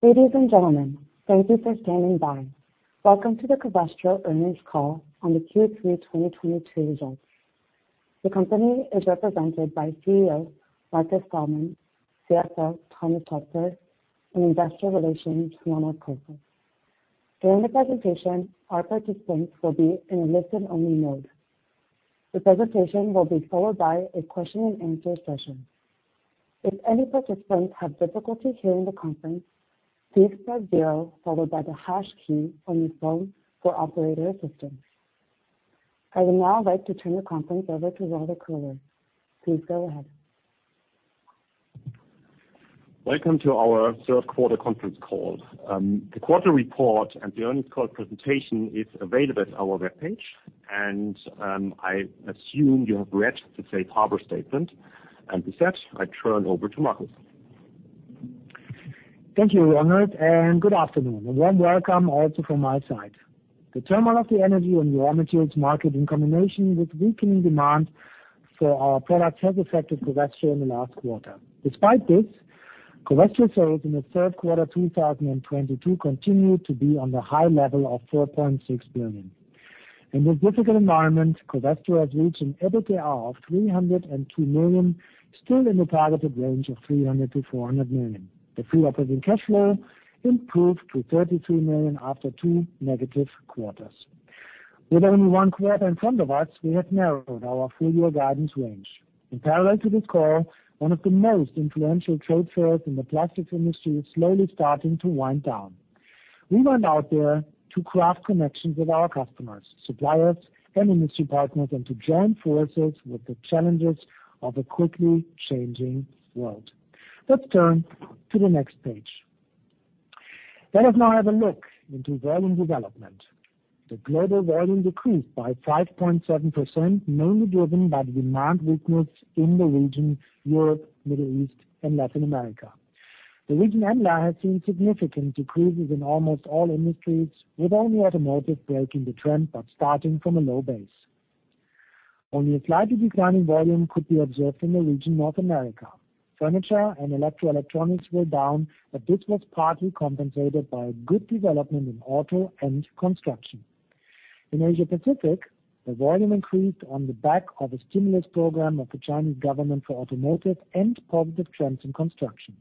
Ladies and gentlemen, thank you for standing by. Welcome to the Covestro earnings call on the Q3 2022 results. The company is represented by CEO Markus Steilemann, CFO Thomas Toepfer, and Investor Relations, Ronald Köhler. During the presentation, our participants will be in a listen-only mode. The presentation will be followed by a question and answer session. If any participants have difficulty hearing the conference, please press zero followed by the hash key on your phone for operator assistance. I would now like to turn the conference over to Ronald Köhler. Please go ahead. Welcome to our third quarter conference call. The quarter report and the earnings call presentation is available at our webpage and I assume you have read the safe harbor statement. With that, I turn over to Markus. Thank you, Ronald, and good afternoon. A warm welcome also from my side. The turmoil of the energy and raw materials market in combination with weakening demand for our products has affected Covestro in the last quarter. Despite this, Covestro sales in the third quarter of 2022 continued to be on the high level of 4.6 billion. In this difficult environment, Covestro has reached an EBITDA of 302 million, still in the targeted range of 300-400 million. The free operating cash flow improved to 33 million after 2- quarters. With only one quarter in front of us, we have narrowed our full year guidance range. In parallel to this call, one of the most influential trade fairs in the plastics industry is slowly starting to wind down. We went out there to craft connections with our customers, suppliers and industry partners, and to join forces with the challenges of a quickly changing world. Let's turn to the next page. Let us now have a look into volume development. The global volume decreased by 5.7%, mainly driven by demand weakness in the region Europe, Middle East and Latin America. The region EMLA has seen significant decreases in almost all industries, with only automotive breaking the trend but starting from a low base. Only a slightly declining volume could be observed in the region North America. Furniture and electrics and electronics were down, but this was partly compensated by a good development in auto and construction. In Asia-Pacific, the volume increased on the back of a stimulus program of the Chinese government for automotive and positive trends in construction.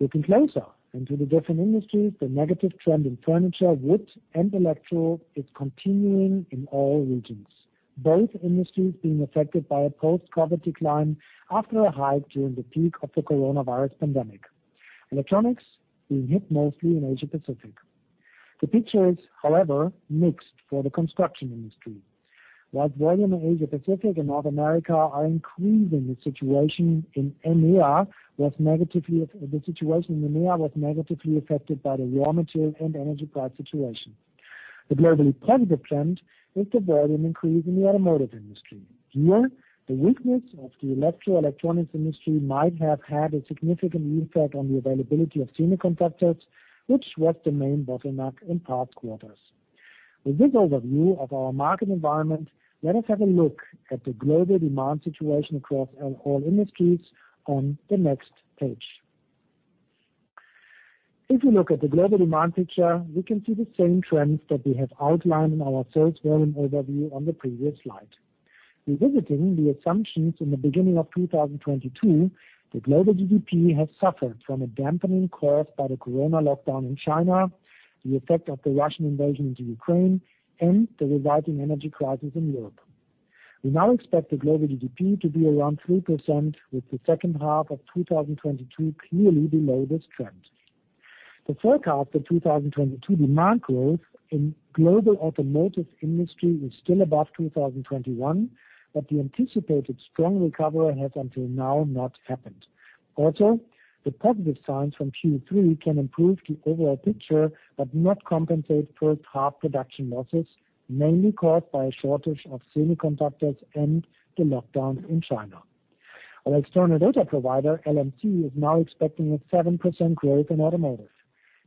Looking closer into the different industries, the negative trend in furniture, wood and electrical is continuing in all regions, both industries being affected by a post-COVID decline after a hike during the peak of the coronavirus pandemic. Electronics being hit mostly in Asia-Pacific. The picture is, however, mixed for the construction industry. While volume in Asia-Pacific and North America are increasing, the situation in NEA was negatively affected by the raw material and energy price situation. The globally positive trend is the volume increase in the automotive industry. Here, the weakness of the electrical electronics industry might have had a significant impact on the availability of semiconductors, which was the main bottleneck in past quarters. With this overview of our market environment, let us have a look at the global demand situation across all industries on the next page. If you look at the global demand picture, we can see the same trends that we have outlined in our sales volume overview on the previous slide. Revisiting the assumptions in the beginning of 2022, the global GDP has suffered from a dampening caused by the corona lockdown in China, the effect of the Russian invasion into Ukraine, and the resulting energy crisis in Europe. We now expect the global GDP to be around 3%, with the second half of 2022 clearly below this trend. The forecast for 2022 demand growth in global automotive industry was still above 2021, but the anticipated strong recovery has until now not happened. Also, the positive signs from Q3 can improve the overall picture, but not compensate for tough production losses, mainly caused by a shortage of semiconductors and the lockdowns in China. Our external data provider, LMC, is now expecting a 7% growth in automotive.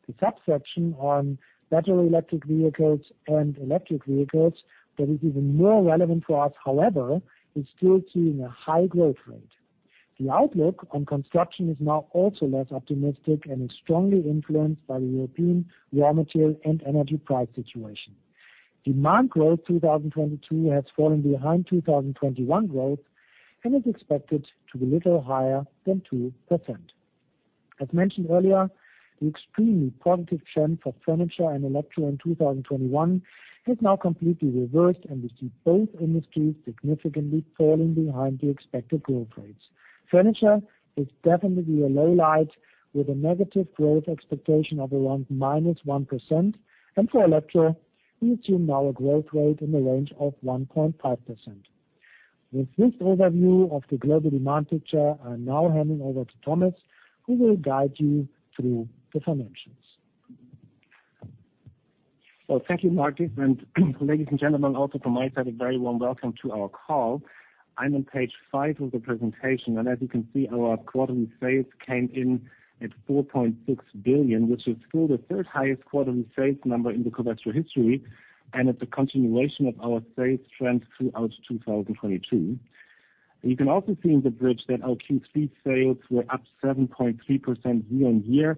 The subsection on battery electric vehicles and electric vehicles that is even more relevant for us, however, is still seeing a high growth rate. The outlook on construction is now also less optimistic and is strongly influenced by the European raw material and energy price situation. Demand growth 2022 has fallen behind 2021 growth and is expected to be little higher than 2%. As mentioned earlier, the extremely positive trend for furniture and electro in 2021 has now completely reversed, and we see both industries significantly falling behind the expected growth rates. Furniture is definitely a low light with a negative growth expectation of around -1%, and for electro, we assume now a growth rate in the range of 1.5%. With this overview of the global demand picture, I am now handing over to Thomas, who will guide you through the financials. Well, thank you, Markus. Ladies and gentlemen, also from my side, a very warm welcome to our call. I'm on page five of the presentation, and as you can see, our quarterly sales came in at 4.6 billion, which is still the third highest quarterly sales number in the Covestro history, and it's a continuation of our sales trend throughout 2022. You can also see in the bridge that our Q3 sales were up 7.3% year-over-year,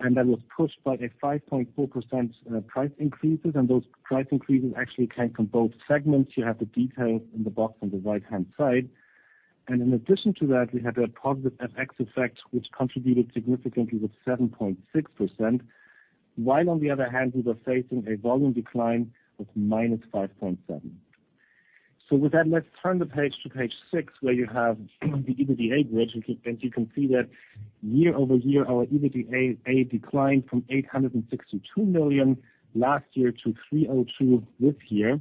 and that was pushed by a 5.4% price increases. Those price increases actually came from both segments. You have the details in the box on the right-hand side. In addition to that, we had a positive FX effect, which contributed significantly with 7.6%, while on the other hand, we were facing a volume decline of -5.7%. With that, let's turn the page to page six, where you have the EBITDA bridge. You can see that year-over-year, our EBITDA declined from 862 million last year to 302 million this year.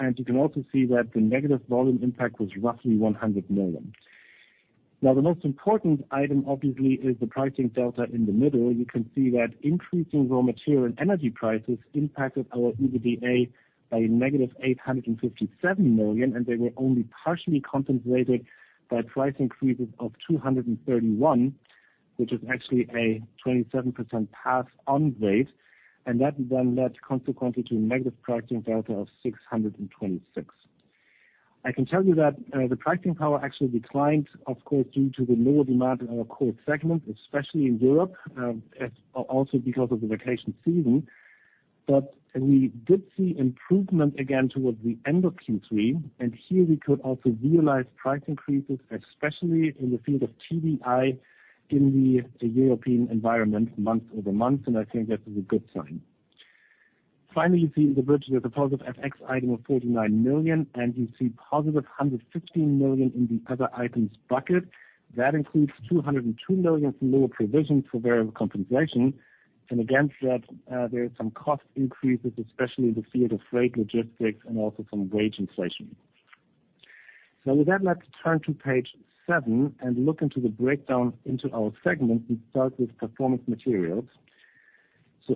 You can also see that the negative volume impact was roughly 100 million. Now, the most important item obviously is the pricing delta in the middle. You can see that increasing raw material and energy prices impacted our EBITDA by -857 million, and they were only partially compensated by price increases of 231 million, which is actually a 27% pass-on rate. That then led consequently to a negative pricing delta of -626 million. I can tell you that the pricing power actually declined, of course, due to the lower demand in our core segment, especially in Europe, as also because of the vacation season. We did see improvement again towards the end of Q3, and here we could also realize price increases, especially in the field of TDI in the European environment month-over-month, and I think that is a good sign. Finally, you see in the bridge there's a positive FX item of 49 million, and you see +115 million in the other items bucket. That includes 202 million from lower provisions for variable compensation. Against that, there are some cost increases, especially in the field of freight logistics and also some wage inflation. With that, let's turn to page seven and look into the breakdown into our segments. We start with Performance Materials.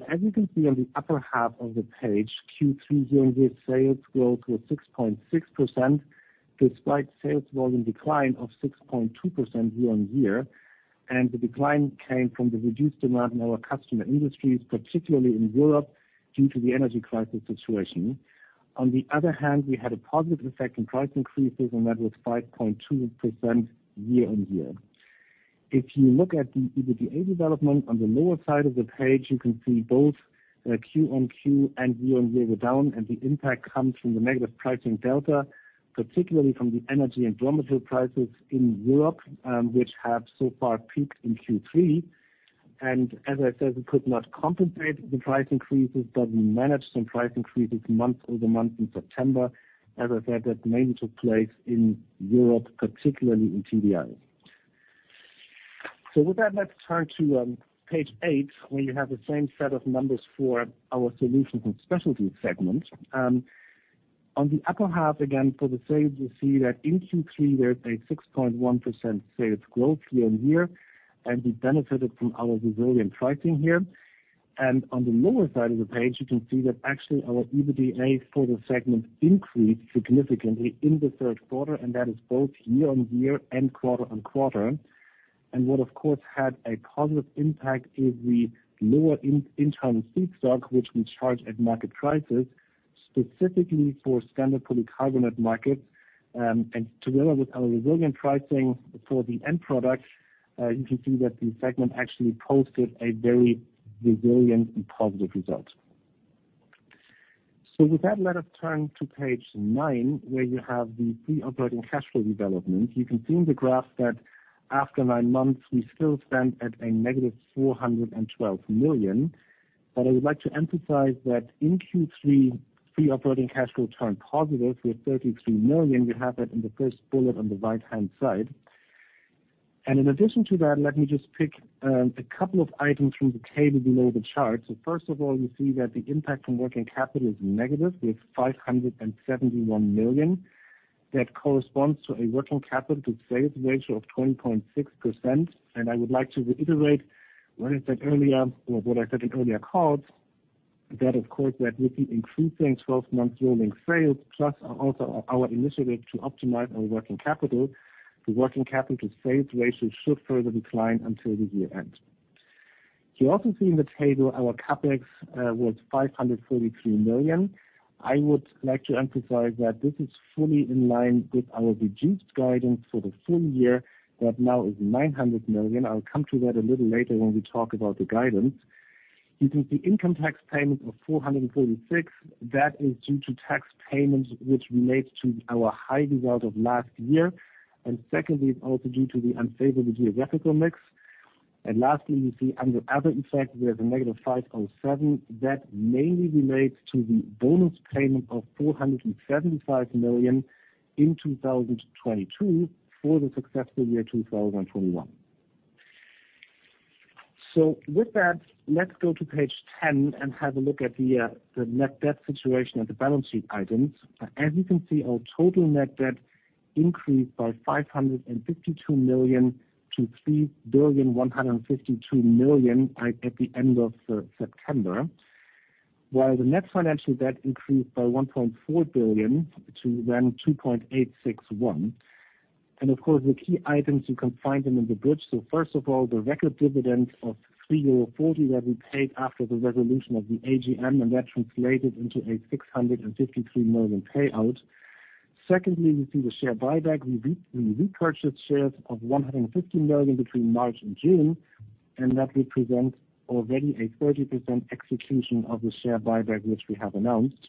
As you can see on the upper half of the page, Q3 year-on-year sales growth was 6.6%, despite sales volume decline of 6.2% year-on-year. The decline came from the reduced demand in our customer industries, particularly in Europe, due to the energy crisis situation. On the other hand, we had a positive effect in price increases, and that was 5.2% year-on-year. If you look at the EBITDA development on the lower side of the page, you can see both Q-on-Q and year-on-year were down, and the impact comes from the negative pricing delta, particularly from the energy and raw material prices in Europe, which have so far peaked in Q3. As I said, we could not compensate the price increases, but we managed some price increases month-over-month in September. As I said, that mainly took place in Europe, particularly in TDI. With that, let's turn to page 8, where you have the same set of numbers for our Solutions & Specialties segment. On the upper half, again, for the sales, you see that in Q3, there's a 6.1% sales growth year-on-year, and we benefited from our resilient pricing here. On the lower side of the page, you can see that actually our EBITDA for the segment increased significantly in the third quarter, and that is both year-on-year and quarter-on-quarter. What, of course, had a positive impact is the lower in-internal feedstock, which we charge at market prices, specifically for standard polycarbonate markets. Together with our resilient pricing for the end product, you can see that the segment actually posted a very resilient and positive result. With that, let us turn to page nine, where you have the free operating cash flow development. You can see in the graph that after nine months, we still stand at -412 million. I would like to emphasize that in Q3, free operating cash flow turned positive with 33 million. You have that in the first bullet on the right-hand side. In addition to that, let me just pick a couple of items from the table below the chart. First of all, you see that the impact on working capital is negative with 571 million. That corresponds to a working capital to sales ratio of 20.6%. I would like to reiterate what I said earlier, or what I said in earlier calls, that of course, that with the increasing 12-month rolling sales, plus also our initiative to optimize our working capital, the working capital to sales ratio should further decline until the year end. You also see in the table our CapEx was 533 million. I would like to emphasize that this is fully in line with our reduced guidance for the full year. That now is 900 million. I'll come to that a little later when we talk about the guidance. You can see income tax payment of 436. That is due to tax payments which relates to our high result of last year. Secondly, it's also due to the unfavorable geographic mix. Lastly, you see under other effects, we have a -507. That mainly relates to the bonus payment of 475 million in 2022 for the successful year, 2021. With that, let's go to page 10 and have a look at the net debt situation and the balance sheet items. As you can see, our total net debt increased by 552 million to 3.152 billion at the end of September, while the net financial debt increased by 1.4 billion to 2.861 billion. Of course, the key items, you can find them in the bridge. First of all, the record dividend of 3.40 euro that we paid after the resolution of the AGM, and that translated into a 653 million payout. Secondly, we see the share buyback. We repurchase shares of 150 million between March and June, and that represents already a 30% execution of the share buyback which we have announced.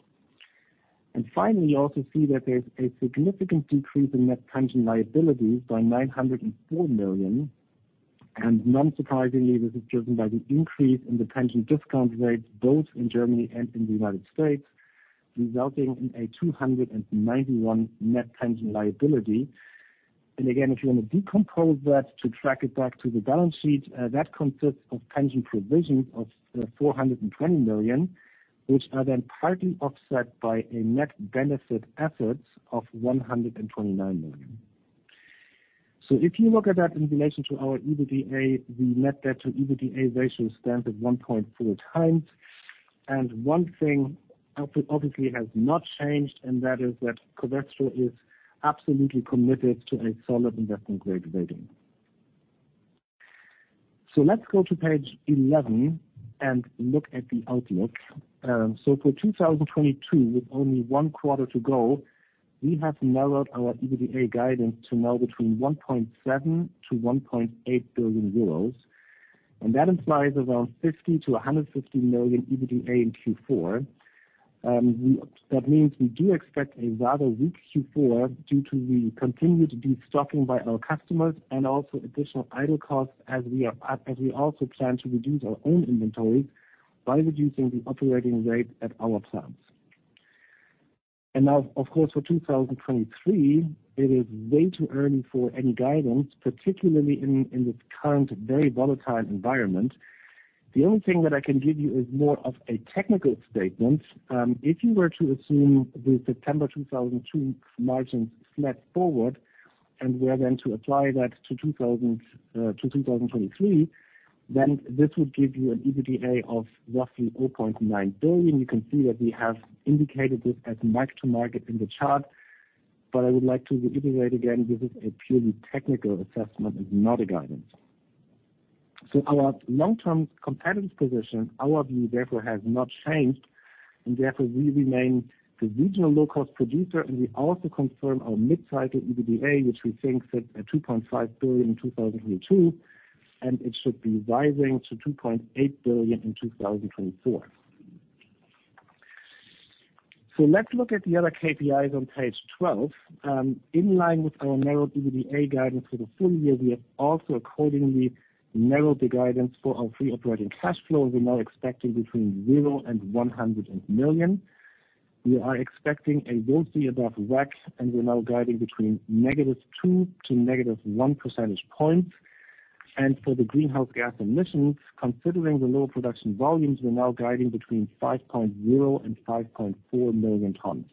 Finally, we also see that there's a significant decrease in net pension liability by 904 million. Non-surprisingly, this is driven by the increase in the pension discount rates both in Germany and in the United States, resulting in a 291 net pension liability. If you want to decompose that to track it back to the balance sheet, that consists of pension provisions of 420 million, which are then partly offset by a net benefit assets of 129 million. If you look at that in relation to our EBITDA, the net debt to EBITDA ratio stands at 1.4 times. One thing obviously has not changed, and that is that Covestro is absolutely committed to a solid investment-grade rating. Let's go to page 11 and look at the outlook. For 2022, with only one quarter to go, we have narrowed our EBITDA guidance to now between 1.7-1.8 billion euros, and that implies around 50-150 million EBITDA in Q4. That means we do expect a rather weak Q4 due to the continued de-stocking by our customers and also additional idle costs as we also plan to reduce our own inventories by reducing the operating rate at our plants. Now, of course, for 2023, it is way too early for any guidance, particularly in this current very volatile environment. The only thing that I can give you is more of a technical statement. If you were to assume the September 2022 margins flat forward, and we are going to apply that to 2023, then this would give you an EBITDA of roughly 0.9 billion. You can see that we have indicated this as Mark to Market in the chart. I would like to reiterate again, this is a purely technical assessment and not a guidance. Our long-term competitive position, our view therefore has not changed, and therefore we remain the regional low-cost producer, and we also confirm our mid-cycle EBITDA, which we think sits at 2.5 billion in 2022, and it should be rising to 2.8 billion in 2024. Let's look at the other KPIs on page 12. In line with our narrow EBITDA guidance for the full year, we have also accordingly narrowed the guidance for our free operating cash flow. We're now expecting between 0 and 100 million. We are expecting a ROCE above WACC, and we're now guiding between -2 to -1 percentage point. For the greenhouse gas emissions, considering the lower production volumes, we're now guiding between 5.0-5.4 million tons.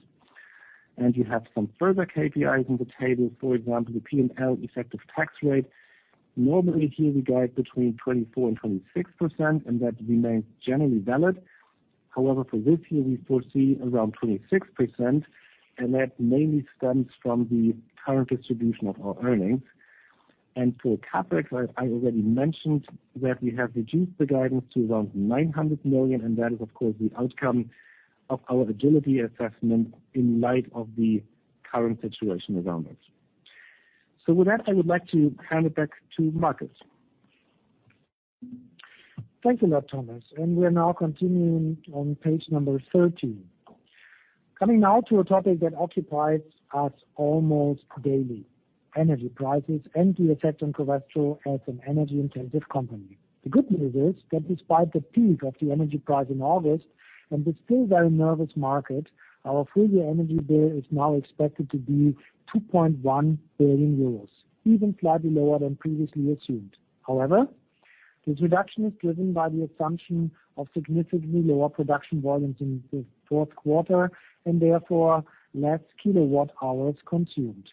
You have some further KPIs in the table, for example, the P&L effective tax rate. Normally here we guide between 24%-26%, and that remains generally valid. However, for this year, we foresee around 26%, and that mainly stems from the current distribution of our earnings. For CapEx, I already mentioned that we have reduced the guidance to around 900 million, and that is of course the outcome of our agility assessment in light of the current situation around us. With that, I would like to hand it back to Markus. Thank you a lot, Thomas, and we are now continuing on page number 13. Coming now to a topic that occupies us almost daily, energy prices and the effect on Covestro as an energy-intensive company. The good news is that despite the peak of the energy price in August and the still very nervous market, our full-year energy bill is now expected to be 2.1 billion euros, even slightly lower than previously assumed. However, this reduction is driven by the assumption of significantly lower production volumes in the fourth quarter and therefore less kilowatt hours consumed.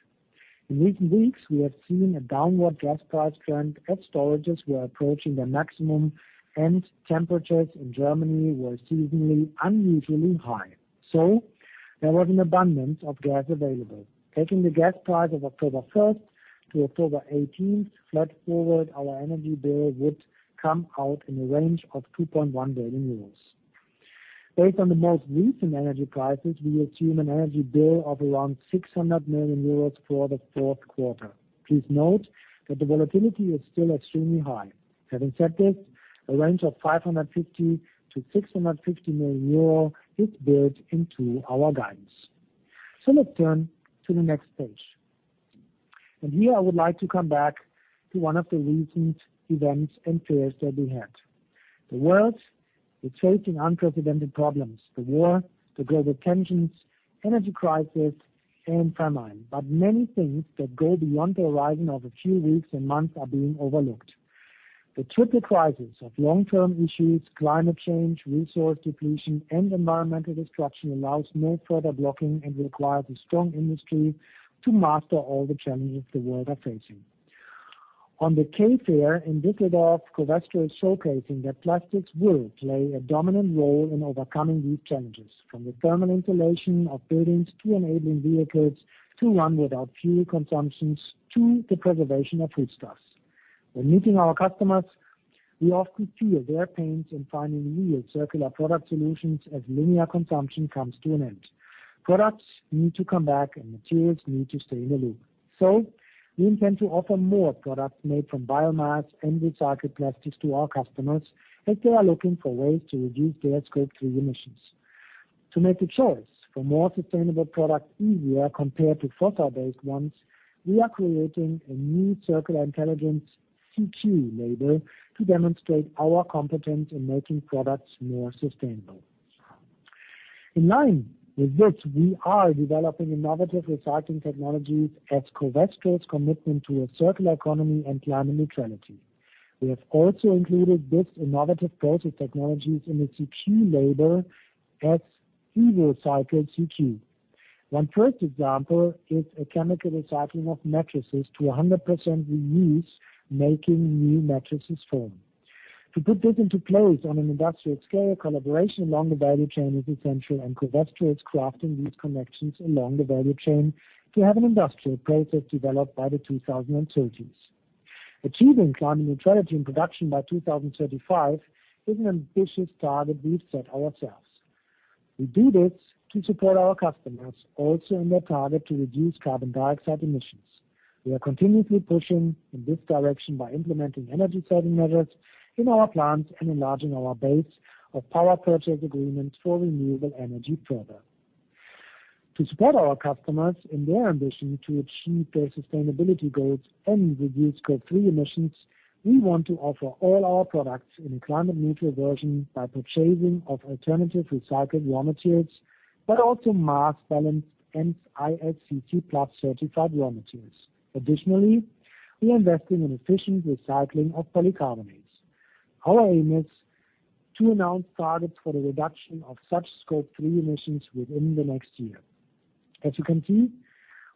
In recent weeks, we have seen a downward gas price trend as storages were approaching their maximum and temperatures in Germany were seasonally unusually high. There was an abundance of gas available. Taking the gas price of October first to October eighteenth flat forward, our energy bill would come out in a range of 2.1 billion euros. Based on the most recent energy prices, we assume an energy bill of around 600 million euros for the fourth quarter. Please note that the volatility is still extremely high. Having said this, a range of 550 million-650 million euro is built into our guidance. Let's turn to the next page. Here I would like to come back to one of the recent events and fairs that we had. The world is facing unprecedented problems, the war, the global tensions, energy crisis, and famine. Many things that go beyond the horizon of a few weeks and months are being overlooked. The triple crisis of long-term issues, climate change, resource depletion, and environmental destruction allows no further blocking and requires a strong industry to master all the challenges the world are facing. On the K in Düsseldorf, Covestro is showcasing that plastics will play a dominant role in overcoming these challenges, from the thermal insulation of buildings, to enabling vehicles to run without fuel consumptions, to the preservation of food stuffs. When meeting our customers, we often feel their pains in finding real circular product solutions as linear consumption comes to an end. Products need to come back, and materials need to stay in the loop. We intend to offer more products made from biomass and recycled plastics to our customers, as they are looking for ways to reduce their Scope three emissions. To make the choice for more sustainable products easier compared to fossil-based ones, we are creating a new circular intelligence CQ label to demonstrate our competence in making products more sustainable. In line with this, we are developing innovative recycling technologies as Covestro's commitment to a circular economy and climate neutrality. We have also included this innovative process technologies in the CQ label as Evocycle CQ. One first example is a chemical recycling of mattresses to 100% reuse, making new mattresses foam. To put this into place on an industrial scale, collaboration along the value chain is essential, and Covestro is crafting these connections along the value chain to have an industrial process developed by the 2030s. Achieving climate neutrality in production by 2035 is an ambitious target we've set ourselves. We do this to support our customers also in their target to reduce carbon dioxide emissions. We are continuously pushing in this direction by implementing energy-saving measures in our plants and enlarging our base of power purchase agreements for renewable energy further. To support our customers in their ambition to achieve their sustainability goals and reduce Scope three emissions, we want to offer all our products in a climate neutral version by purchasing of alternative recycled raw materials, but also mass-balanced and ISCC Plus certified raw materials. Additionally, we are investing in efficient recycling of polycarbonates. Our aim is to announce targets for the reduction of such Scope three emissions within the next year. As you can see,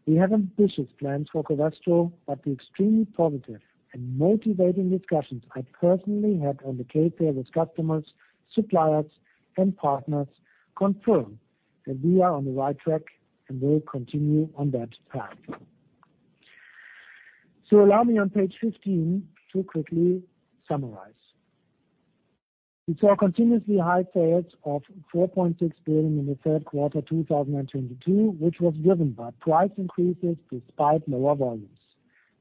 we have ambitious plans for Covestro, but the extremely positive and motivating discussions I personally had on the K fair with customers, suppliers, and partners confirm that we are on the right track and will continue on that path. Allow me on page 15 to quickly summarize. We saw continuously high sales of 4.6 billion in the third quarter 2022, which was driven by price increases despite lower volumes.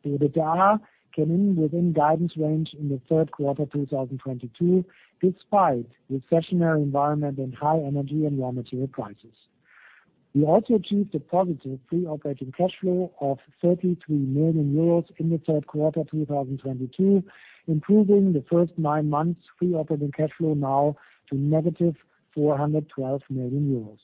The EBITDA came in within guidance range in the third quarter 2022, despite recessionary environment and high energy and raw material prices. We also achieved a positive free operating cash flow of 33 million euros in the third quarter 2022, improving the first nine months free operating cash flow now to -412 million euros.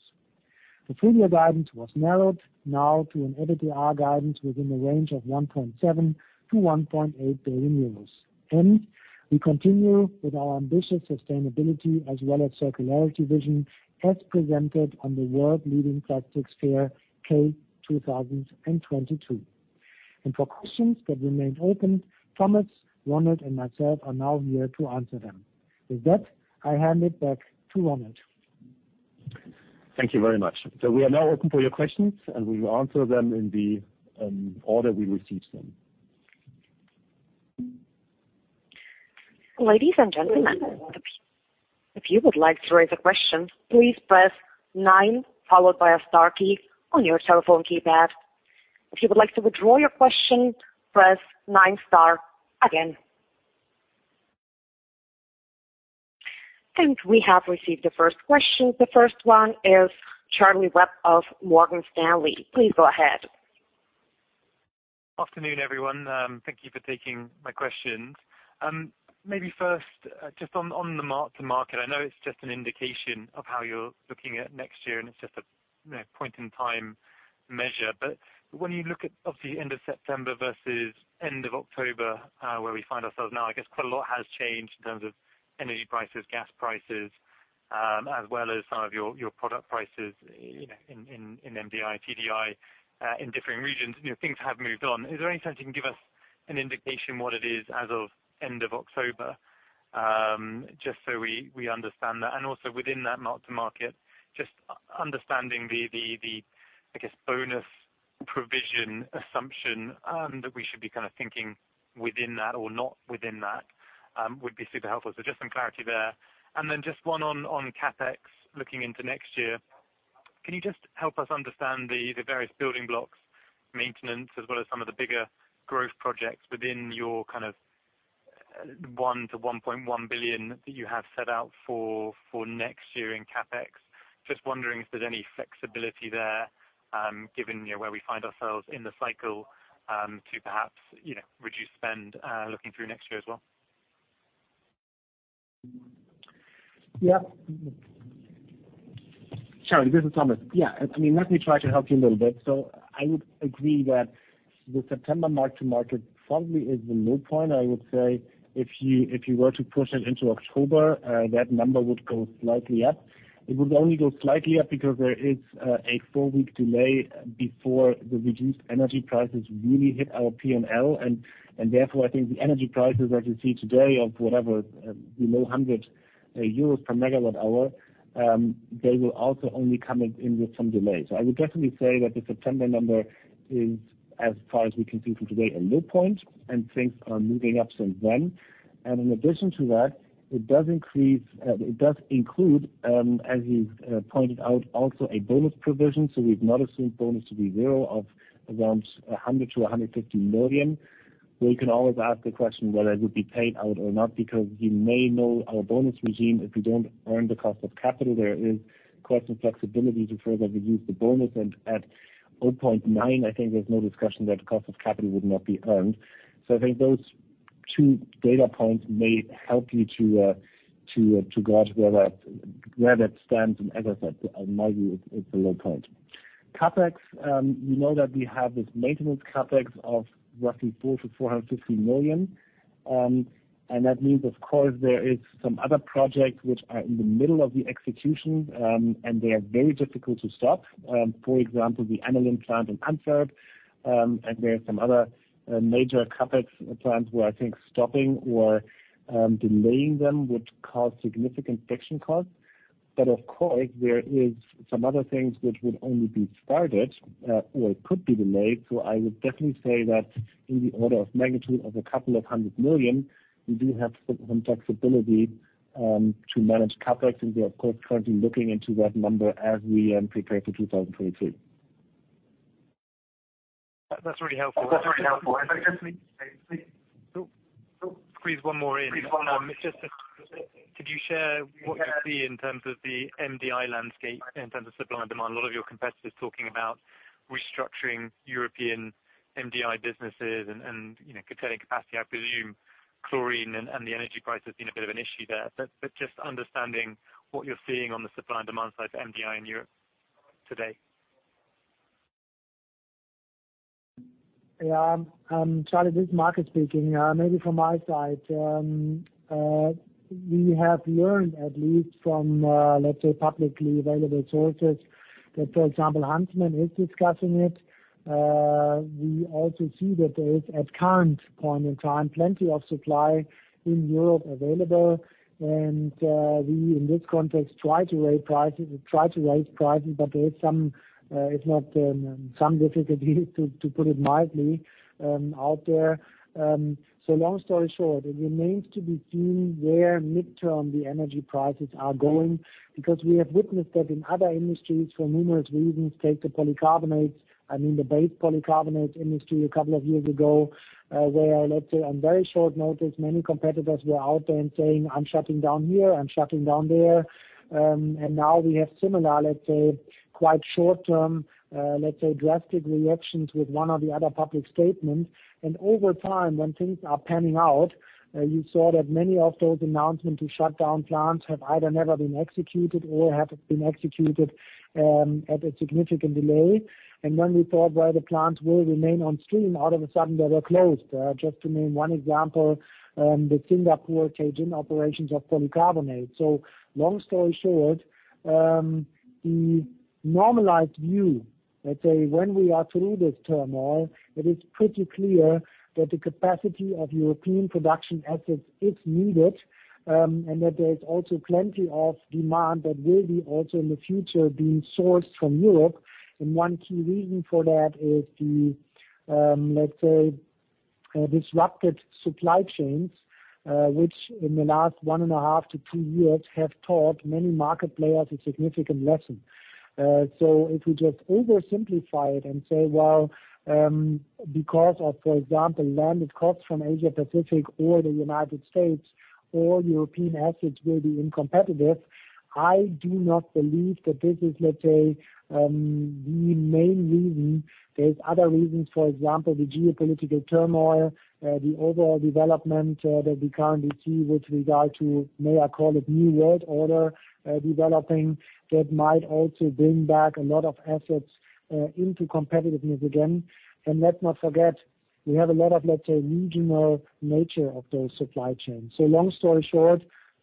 The full-year guidance was narrowed now to an EBITDA guidance within the range of 1.7 billion-1.8 billion euros. We continue with our ambitious sustainability as well as circularity vision, as presented on the world-leading plastics fair, K 2022. For questions that remained open, Thomas, Ronald, and myself are now here to answer them. With that, I hand it back to Ronald. Thank you very much. We are now open for your questions, and we will answer them in the order we receive them. Ladies and gentlemen, if you would like to raise a question, please press nine followed by a star key on your telephone keypad. If you would like to withdraw your question, press nine star again. We have received the first question. The first one is Charlie Webb of Morgan Stanley. Please go ahead. Afternoon, everyone. Thank you for taking my questions. Maybe first, just on the mark-to-market, I know it's just an indication of how you're looking at next year, and it's just a, you know, point-in-time measure. When you look at obviously end of September versus end of October, where we find ourselves now, I guess quite a lot has changed in terms of energy prices, gas prices, as well as some of your product prices in MDI, TDI, in different regions. You know, things have moved on. Is there any sense you can give us an indication what it is as of end of October? Just so we understand that. Also within that mark-to-market, just understanding the, I guess, bonus provision assumption that we should be kinda thinking within that or not within that would be super helpful. Just some clarity there. Just one on CapEx looking into next year. Can you just help us understand the various building blocks, maintenance as well as some of the bigger growth projects within your kind of 1 billion-1.1 billion that you have set out for next year in CapEx? Just wondering if there's any flexibility there, given you know where we find ourselves in the cycle to perhaps you know reduce spend looking through next year as well. Yeah. Charlie, this is Thomas. Yeah. I mean, let me try to help you a little bit. I would agree that the September mark-to-market probably is the low point. I would say if you were to push it into October, that number would go slightly up. It would only go slightly up because there is a four-week delay before the reduced energy prices really hit our P&L. Therefore, I think the energy prices that you see today of whatever, below 100 euros per megawatt hour, they will also only come in with some delay. I would definitely say that the September number is, as far as we can see from today, a low point, and things are moving up since then. In addition to that, it does include, as you pointed out, also a bonus provision. We've not assumed bonus to be zero of around 100-150 million. We can always ask the question whether it would be paid out or not because you may know our bonus regime. If we don't earn the cost of capital, there is cost and flexibility to further reduce the bonus. At 0.9, I think there's no discussion that cost of capital would not be earned. I think those two data points may help you to gauge where that stands. As I said, in my view, it's a low point. CapEx, you know that we have this maintenance CapEx of roughly 400-450 million. That means, of course, there is some other projects which are in the middle of the execution, and they are very difficult to stop. For example, the Aniline plant in Antwerp. There are some other major CapEx plants where I think stopping or delaying them would cause significant friction costs. Of course, there is some other things which would only be started or could be delayed. I would definitely say that in the order of magnitude of 200 million, we do have some flexibility to manage CapEx. We are, of course, currently looking into that number as we prepare for 2022. That's really helpful. Squeeze one more in. It's just that, could you share what you see in terms of the MDI landscape in terms of supply and demand? A lot of your competitors talking about restructuring European MDI businesses and you know, containing capacity. I presume chlorine and the energy price has been a bit of an issue there. Just understanding what you're seeing on the supply and demand side for MDI in Europe today. Yeah. Charlie, this is Markus speaking. Maybe from my side. We have learned at least from, let's say, publicly available sources that, for example, Huntsman is discussing it. We also see that there is, at current point in time, plenty of supply in Europe available. We in this context try to raise prices, but there is some, if not, some difficulty, to put it mildly, out there. Long story short, it remains to be seen where midterm the energy prices are going because we have witnessed that in other industries for numerous reasons, take the polycarbonates, I mean, the base polycarbonate industry a couple of years ago, where, let's say, on very short notice, many competitors were out there and saying, "I'm shutting down here, I'm shutting down there." Now we have similar, let's say, quite short term, let's say drastic reactions with one or the other public statements. Over time, when things are panning out, you saw that many of those announcements to shut down plants have either never been executed or have been executed, at a significant delay. When we thought where the plants will remain on stream, all of a sudden they were closed. Just to name one example, the Singapore Jurong operations of polycarbonate. Long story short, the normalized view, let's say when we are through this turmoil, it is pretty clear that the capacity of European production assets is needed, and that there is also plenty of demand that will be also in the future being sourced from Europe. One key reason for that is the, let's say, disrupted supply chains, which in the last 1.5years -two years have taught many market players a significant lesson. If we just oversimplify it and say, well, because of, for example, landed costs from Asia Pacific or the United States or European assets will be uncompetitive, I do not believe that this is, let's say, the main reason. There are other reasons, for example, the geopolitical turmoil, the overall development that we currently see with regard to, may I call it new world order, developing that might also bring back a lot of assets into competitiveness again. Let's not forget, we have a lot of, let's say, regional nature of those supply chains. Long story short,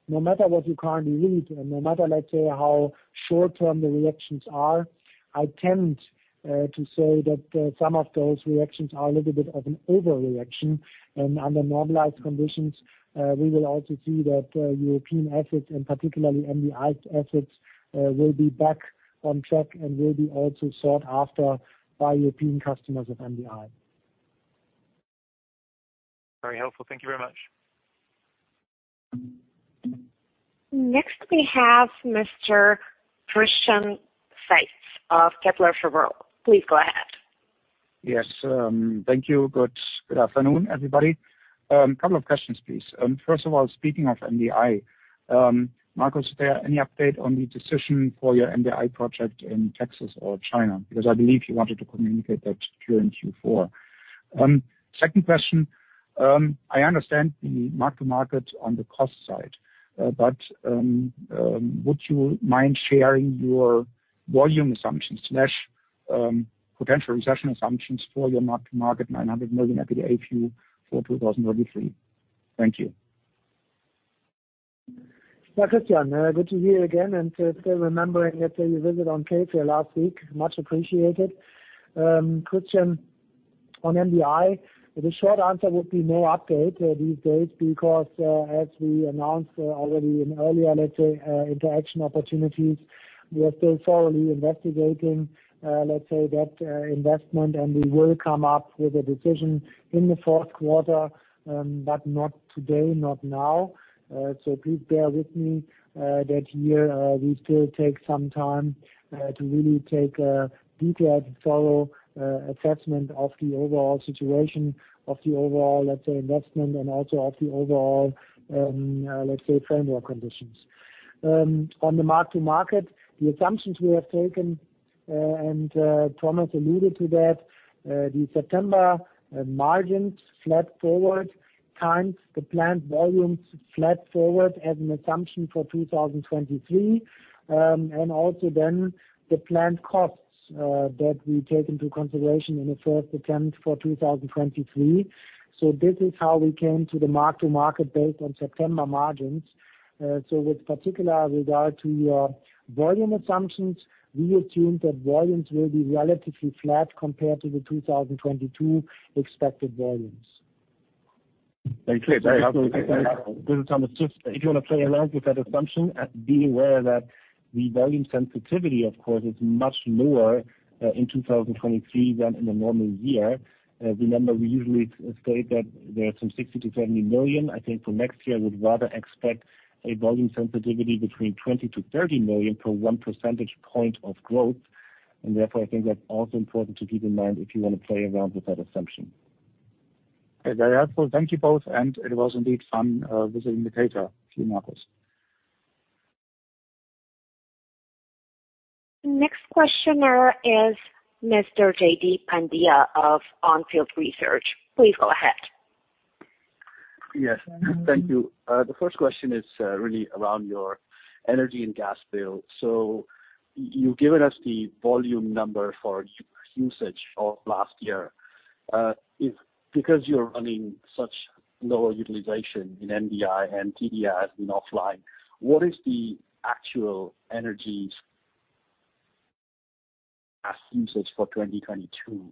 no matter what you currently read, and no matter, let's say, how short term the reactions are, I tend to say that some of those reactions are a little bit of an overreaction. Under normalized conditions, we will also see that European assets, and particularly MDI assets, will be back on track and will be also sought after by European customers of MDI. Very helpful. Thank you very much. Next, we have Mr. Christian Faitz of Kepler Cheuvreux. Please go ahead. Yes. Thank you. Good afternoon, everybody. Couple of questions, please. First of all, speaking of MDI, Markus, is there any update on the decision for your MDI project in Texas or China? Because I believe you wanted to communicate that during Q4. Second question, I understand the mark-to-market on the cost side. But, would you mind sharing your volume assumptions slash potential recession assumptions for your mark-to-market 900 million EBITDA view for 2023? Thank you. Now, Christian Faitz, good to hear you again and to still remembering that you visit on K here last week, much appreciated. Christian Faitz, on MDI, the short answer would be no update these days because, as we announced already in earlier, let's say, interaction opportunities, we are still thoroughly investigating, let's say, that investment, and we will come up with a decision in the fourth quarter, but not today, not now. Please bear with me, that here we still take some time to really take a detailed thorough assessment of the overall situation of the overall, let's say, investment and also of the overall, let's say, framework conditions. On the mark-to-market, the assumptions we have taken, and Thomas alluded to that, the September margins flat forward times the planned volumes flat forward as an assumption for 2023. Also then the planned costs that we take into consideration in the first attempt for 2023. This is how we came to the mark-to-market based on September margins. With particular regard to your volume assumptions, we assume that volumes will be relatively flat compared to the 2022 expected volumes. Thank you. Very helpful. This is Thomas. Just if you wanna play around with that assumption, be aware that the volume sensitivity, of course, is much lower in 2023 than in a normal year. Remember, we usually state that there are some 60-70 million. I think for next year, I would rather expect a volume sensitivity between 20-30 million per one percentage point of growth. Therefore, I think that's also important to keep in mind if you wanna play around with that assumption. Very helpful. Thank you both. It was indeed fun visiting the site, Markus. Next questioner is Mr. Jaideep Pandya of ONField Investment Research. Please go ahead. Yes. Thank you. The first question is really around your energy and gas bill. So you've given us the volume number for usage of last year. If because you're running such lower utilization in MDI and TDI has been offline, what is the actual energy usage for 2022?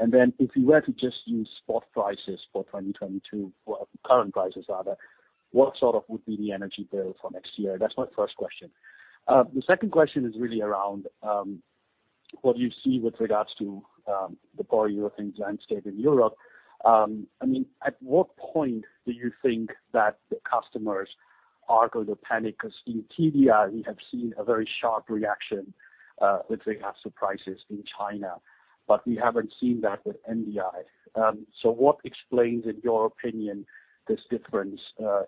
And then if you were to just use spot prices for 2022, well, current prices rather, what sort of would be the energy bill for next year? That's my first question. The second question is really around what you see with regards to the polyurethane landscape in Europe. I mean, at what point do you think that the customers are going to panic? 'Cause in TDI, we have seen a very sharp reaction with the gas prices in China, but we haven't seen that with MDI. What explains, in your opinion, this difference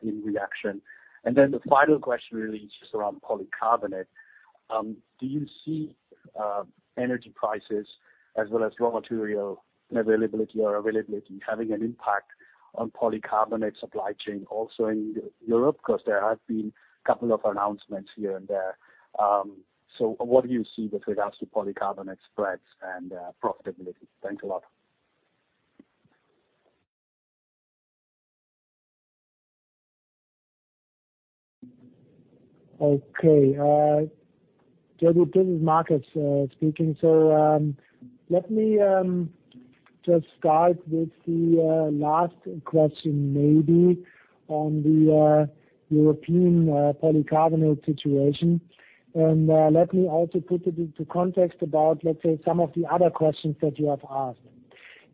in reaction? The final question really is just around polycarbonate. Do you see energy prices as well as raw material availability having an impact on polycarbonate supply chain also in Europe? 'Cause there have been a couple of announcements here and there. What do you see with regards to polycarbonate spreads and profitability? Thanks a lot. Okay. JD Pandya, this is Markus Steilemann speaking. Let me just start with the last question maybe on the European polycarbonate situation. Let me also put it into context about, let's say, some of the other questions that you have asked.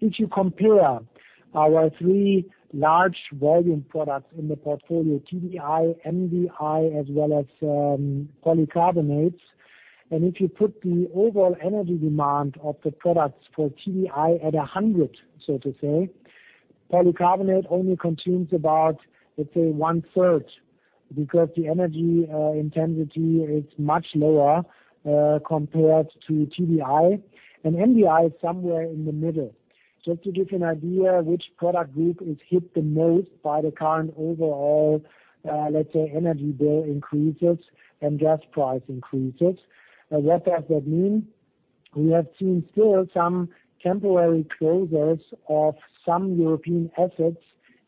If you compare our three large volume products in the portfolio, TDI, MDI, as well as, polycarbonates, and if you put the overall energy demand of the products for TDI at 100, so to say, polycarbonate only consumes about, let's say, one-third because the energy intensity is much lower, compared to TDI, and MDI is somewhere in the middle. Just to give you an idea which product group is hit the most by the current overall, let's say, energy bill increases and gas price increases. What does that mean? We have seen still some temporary closures of some European assets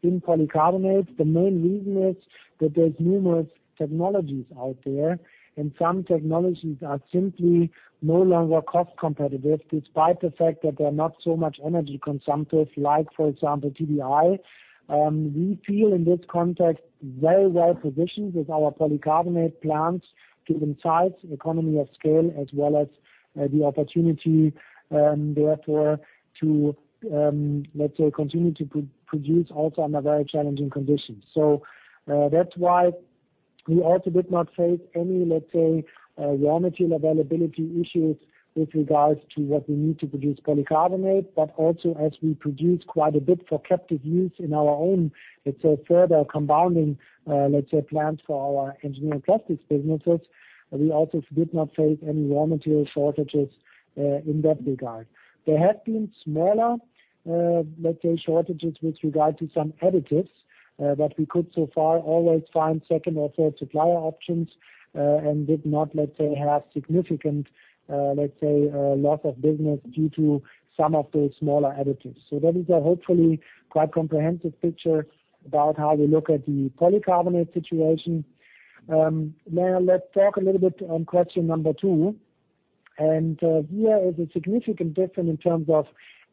in polycarbonate. The main reason is that there's numerous technologies out there, and some technologies are simply no longer cost competitive despite the fact that they are not so much energy consumptive, like, for example, TDI. We feel in this context, very well-positioned with our polycarbonate plants to achieve economies of scale as well as the opportunity, therefore, to, let's say, continue to produce also under very challenging conditions. That's why we also did not face any, let's say, raw material availability issues with regards to what we need to produce polycarbonate. Also, as we produce quite a bit for captive use in our own, let's say, further compounding, let's say, plants for our engineering plastics businesses, we also did not face any raw material shortages, in that regard. There have been smaller, let's say, shortages with regard to some additives, but we could so far always find second or third supplier options, and did not, let's say, have significant, let's say, loss of business due to some of those smaller additives. That is a hopefully quite comprehensive picture about how we look at the polycarbonate situation. Now let's talk a little bit on question number two. Here is a significant difference in terms of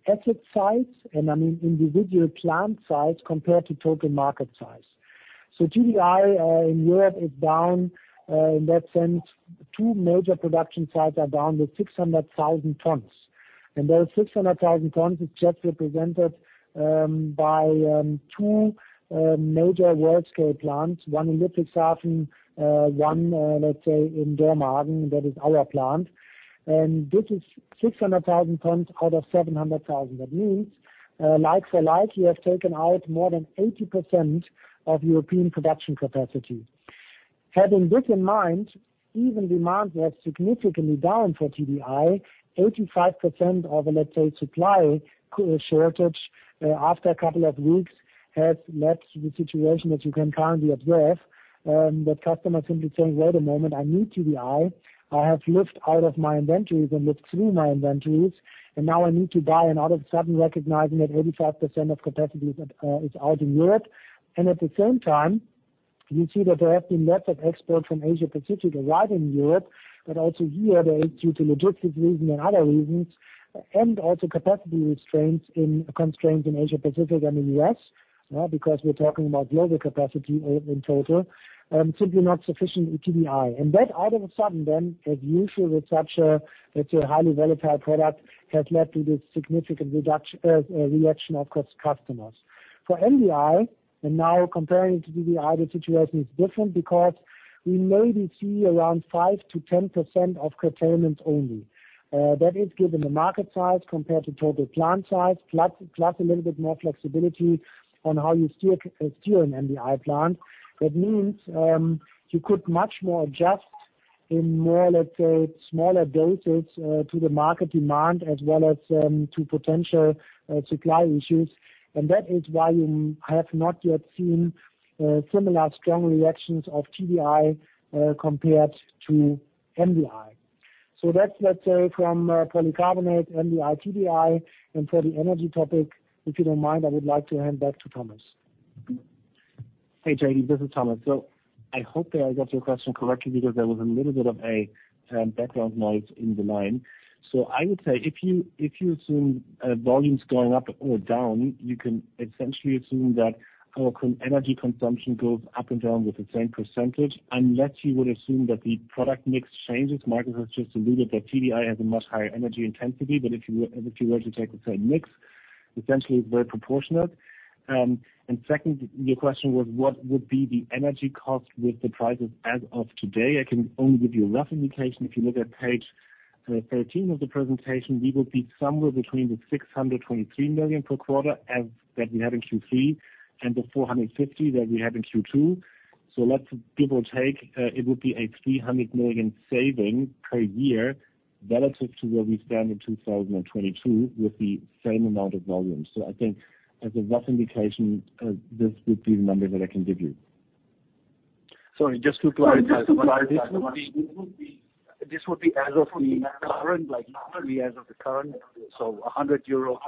asset size, and I mean individual plant size compared to total market size. TDI in Europe is down, in that sense, two major production sites are down to 600,000 tons. Those 600,000 tons is just represented by two major world-scale plants, one in Ludwigshafen, one, let's say, in Dormagen, that is our plant. This is 600,000 tons out of 700,000. That means, like for like, you have taken out more than 80% of European production capacity. Having this in mind, even demand was significantly down for TDI, 85% of, let's say, supply shortage, after a couple of weeks has led to the situation that you can currently observe, that customers simply saying, "Wait a moment, I need TDI. I have lived out of my inventories and looked through my inventories, and now I need to buy," and all of a sudden recognizing that 85% of capacity is out in Europe. At the same time, you see that there have been lots of exports from Asia Pacific arriving in Europe, but also here, there is, due to logistics reason and other reasons, and also capacity constraints in Asia Pacific and in U.S., because we're talking about global capacity in total, simply not sufficient TDI. That all of a sudden then, as usual, with such a, let's say, highly volatile product, has led to this significant reaction across customers. For MDI, and now comparing to TDI, the situation is different because we maybe see around 5%-10% of curtailment only. That is given the market size compared to total plant size, plus a little bit more flexibility on how you steer an MDI plant. That means, you could much more adjust in more, let's say, smaller doses, to the market demand as well as, to potential, supply issues. That is why you have not yet seen, similar strong reactions of TDI, compared to MDI. That's, let's say, from, polycarbonate, MDI, TDI, and for the energy topic, if you don't mind, I would like to hand back to Thomas. Hey, JD, this is Thomas. I hope that I got your question correctly because there was a little bit of a background noise in the line. I would say if you assume volumes going up or down, you can essentially assume that our energy consumption goes up and down with the same percentage, unless you would assume that the product mix changes. Markus has just alluded that TDI has a much higher energy intensity. If you were to take the same mix, essentially very proportionate. Second, your question was what would be the energy cost with the prices as of today? I can only give you a rough indication. If you look at page 13 of the presentation, we would be somewhere between the 623 million per quarter that we have in Q3 and the 450 million that we have in Q2. Let's give or take, it would be a 300 million saving per year relative to where we stand in 2022 with the same amount of volume. I think as a rough indication, this would be the number that I can give you. Sorry, just to clarify. Sorry, just to clarify. This would be as of the current, like literally as of the current, so 100 euro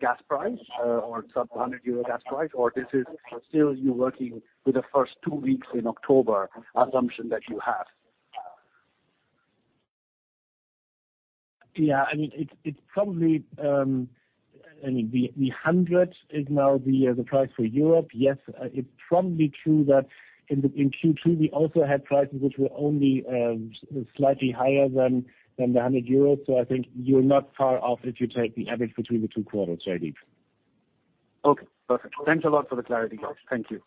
gas price, or sub 100 euro gas price, or this is still you working with the first two weeks in October assumption that you have? Yeah. I mean, the 100 is now the price for Europe. Yes. It's probably true that in Q2, we also had prices which were only slightly higher than the 100 euros. I think you're not far off if you take the average between the two quarters, JD. Okay. Perfect. Thanks a lot for the clarity. Thank you.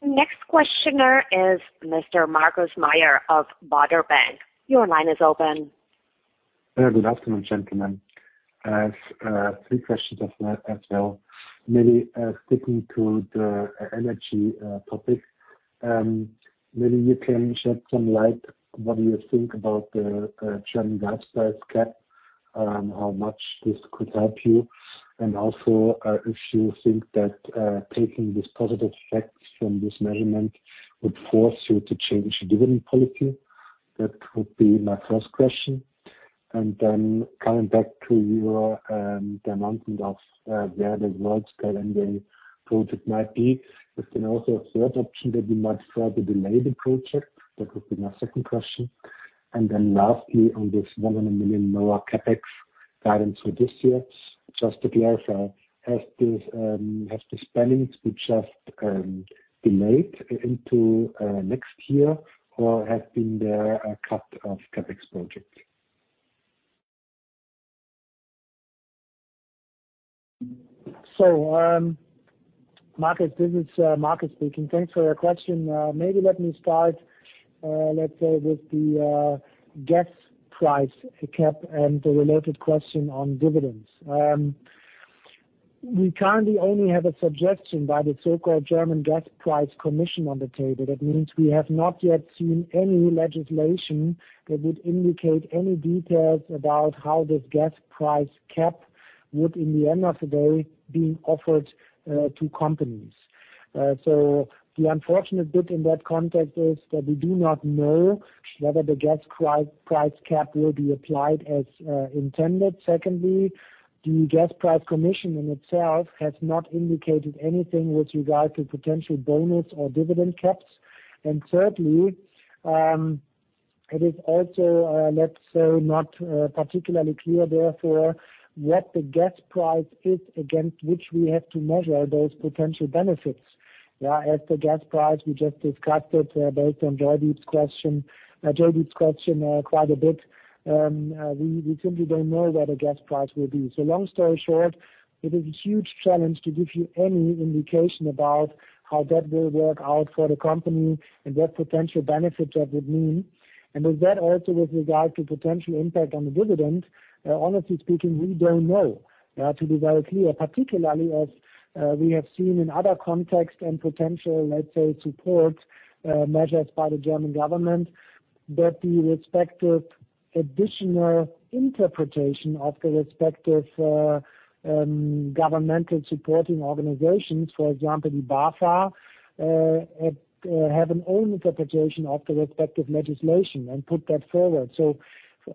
The next questioner is Mr. Markus Mayer of Baader- Bank. Your line is open. Good afternoon, gentlemen. I have three questions as well. Maybe sticking to the energy topic, maybe you can shed some light what do you think about the German gas price cap, how much this could help you? Also, if you think that taking these positive effects from this measurement would force you to change dividend policy. That would be my first question. Coming back to the announcement of where the world-scale MDI project might be. Is there also a third option that you might further delay the project? That would be my second question. Lastly, on this 100 million lower CapEx guidance for this year, just to be clear, sir, has the spending been just delayed into next year or has there been a cut of CapEx projects? Markus, this is Markus speaking. Thanks for your question. Maybe let me start, let's say, with the gas price cap and the related question on dividends. We currently only have a suggestion by the so-called German Gas Price Commission on the table. That means we have not yet seen any legislation that would indicate any details about how this gas price cap would, in the end of the day, be offered to companies. The unfortunate bit in that context is that we do not know whether the gas price cap will be applied as intended. Secondly, the Gas Price Commission in itself has not indicated anything with regard to potential bonus or dividend caps. Thirdly, It is also, let's say not particularly clear, therefore, what the gas price is against which we have to measure those potential benefits, yeah. As the gas price, we just discussed it, based on Jaideep Pandya's question, quite a bit. We simply don't know where the gas price will be. Long story short, it is a huge challenge to give you any indication about how that will work out for the company and what potential benefits that would mean. With that also with regard to potential impact on the dividend, honestly speaking, we don't know. To be very clear, particularly as we have seen in other contexts and potential, let's say, support measures by the German government, that the respective additional interpretation of the respective governmental supporting organizations, for example, the BAFA, have an own interpretation of the respective legislation and put that forward.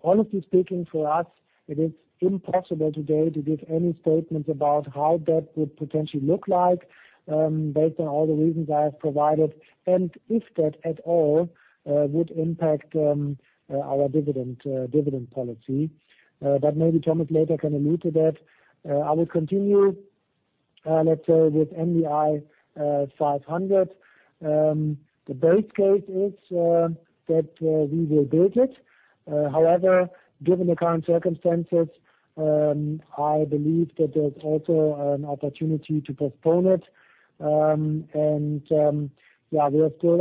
Honestly speaking for us, it is impossible today to give any statement about how that would potentially look like, based on all the reasons I have provided, and if that at all would impact our dividend policy. Maybe Thomas later can allude to that. I will continue, let's say with MDI-500. The base case is that we will build it. However, given the current circumstances, I believe that there's also an opportunity to postpone it. Yeah, we are still